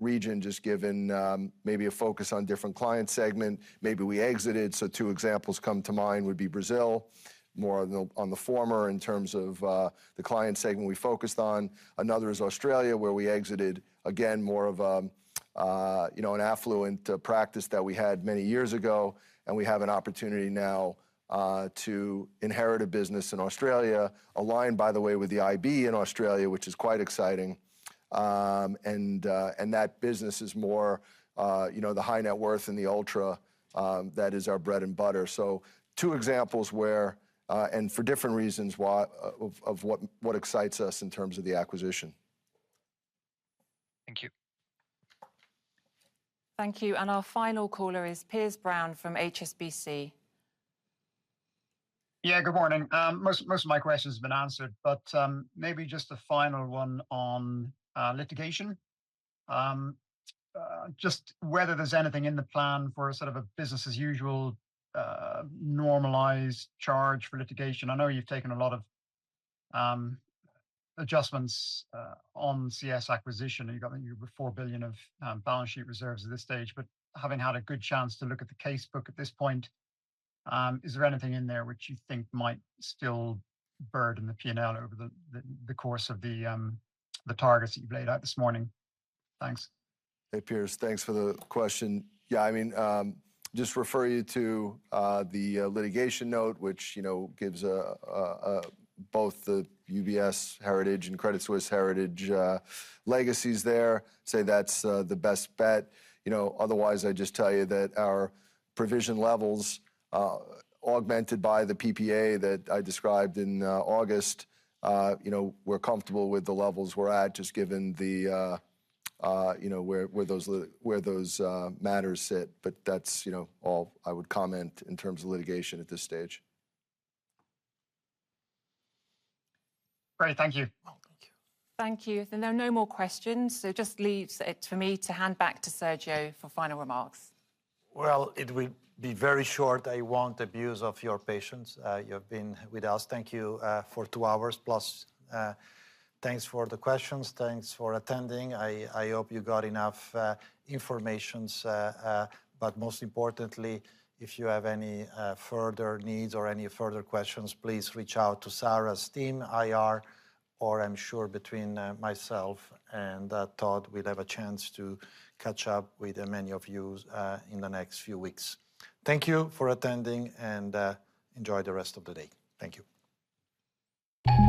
region, just given maybe a focus on different client segment, maybe we exited. So two examples come to mind would be Brazil, more on the former in terms of the client segment we focused on. Another is Australia, where we exited, again, more of you know, an affluent practice that we had many years ago, and we have an opportunity now to inherit a business in Australia. Aligned, by the way, with the IB in Australia, which is quite exciting. And that business is more you know, the high net worth and the ultra, that is our bread and butter. So two examples where, and for different reasons, of what excites us in terms of the acquisition. Thank you. Thank you, and our final caller is Piers Brown from HSBC. Yeah, good morning. Most of my questions have been answered, but maybe just a final one on litigation. Just whether there's anything in the plan for a sort of a business as usual normalized charge for litigation. I know you've taken a lot of adjustments on CS acquisition, and you've got 4 billion of balance sheet reserves at this stage. But having had a good chance to look at the case book at this point, is there anything in there which you think might still burden the P&L over the course of the targets that you've laid out this morning? Thanks. Hey, Piers. Thanks for the question. Yeah, I mean, just refer you to the litigation note, which, you know, gives a both the UBS heritage and Credit Suisse heritage legacies there. Say that's the best bet. You know, otherwise, I'd just tell you that our provision levels augmented by the PPA that I described in August, you know, we're comfortable with the levels we're at, just given the, you know, where those matters sit. But that's, you know, all I would comment in terms of litigation at this stage. Great. Thank you. Thank you. Thank you. There are no more questions, so it just leaves it for me to hand back to Sergio for final remarks. Well, it will be very short. I won't abuse of your patience. You've been with us, thank you, for two hours plus. Thanks for the questions. Thanks for attending. I hope you got enough information, but most importantly, if you have any further needs or any further questions, please reach out to Sarah's team, IR, or I'm sure between myself and Todd, we'll have a chance to catch up with many of you in the next few weeks. Thank you for attending, and enjoy the rest of the day. Thank you.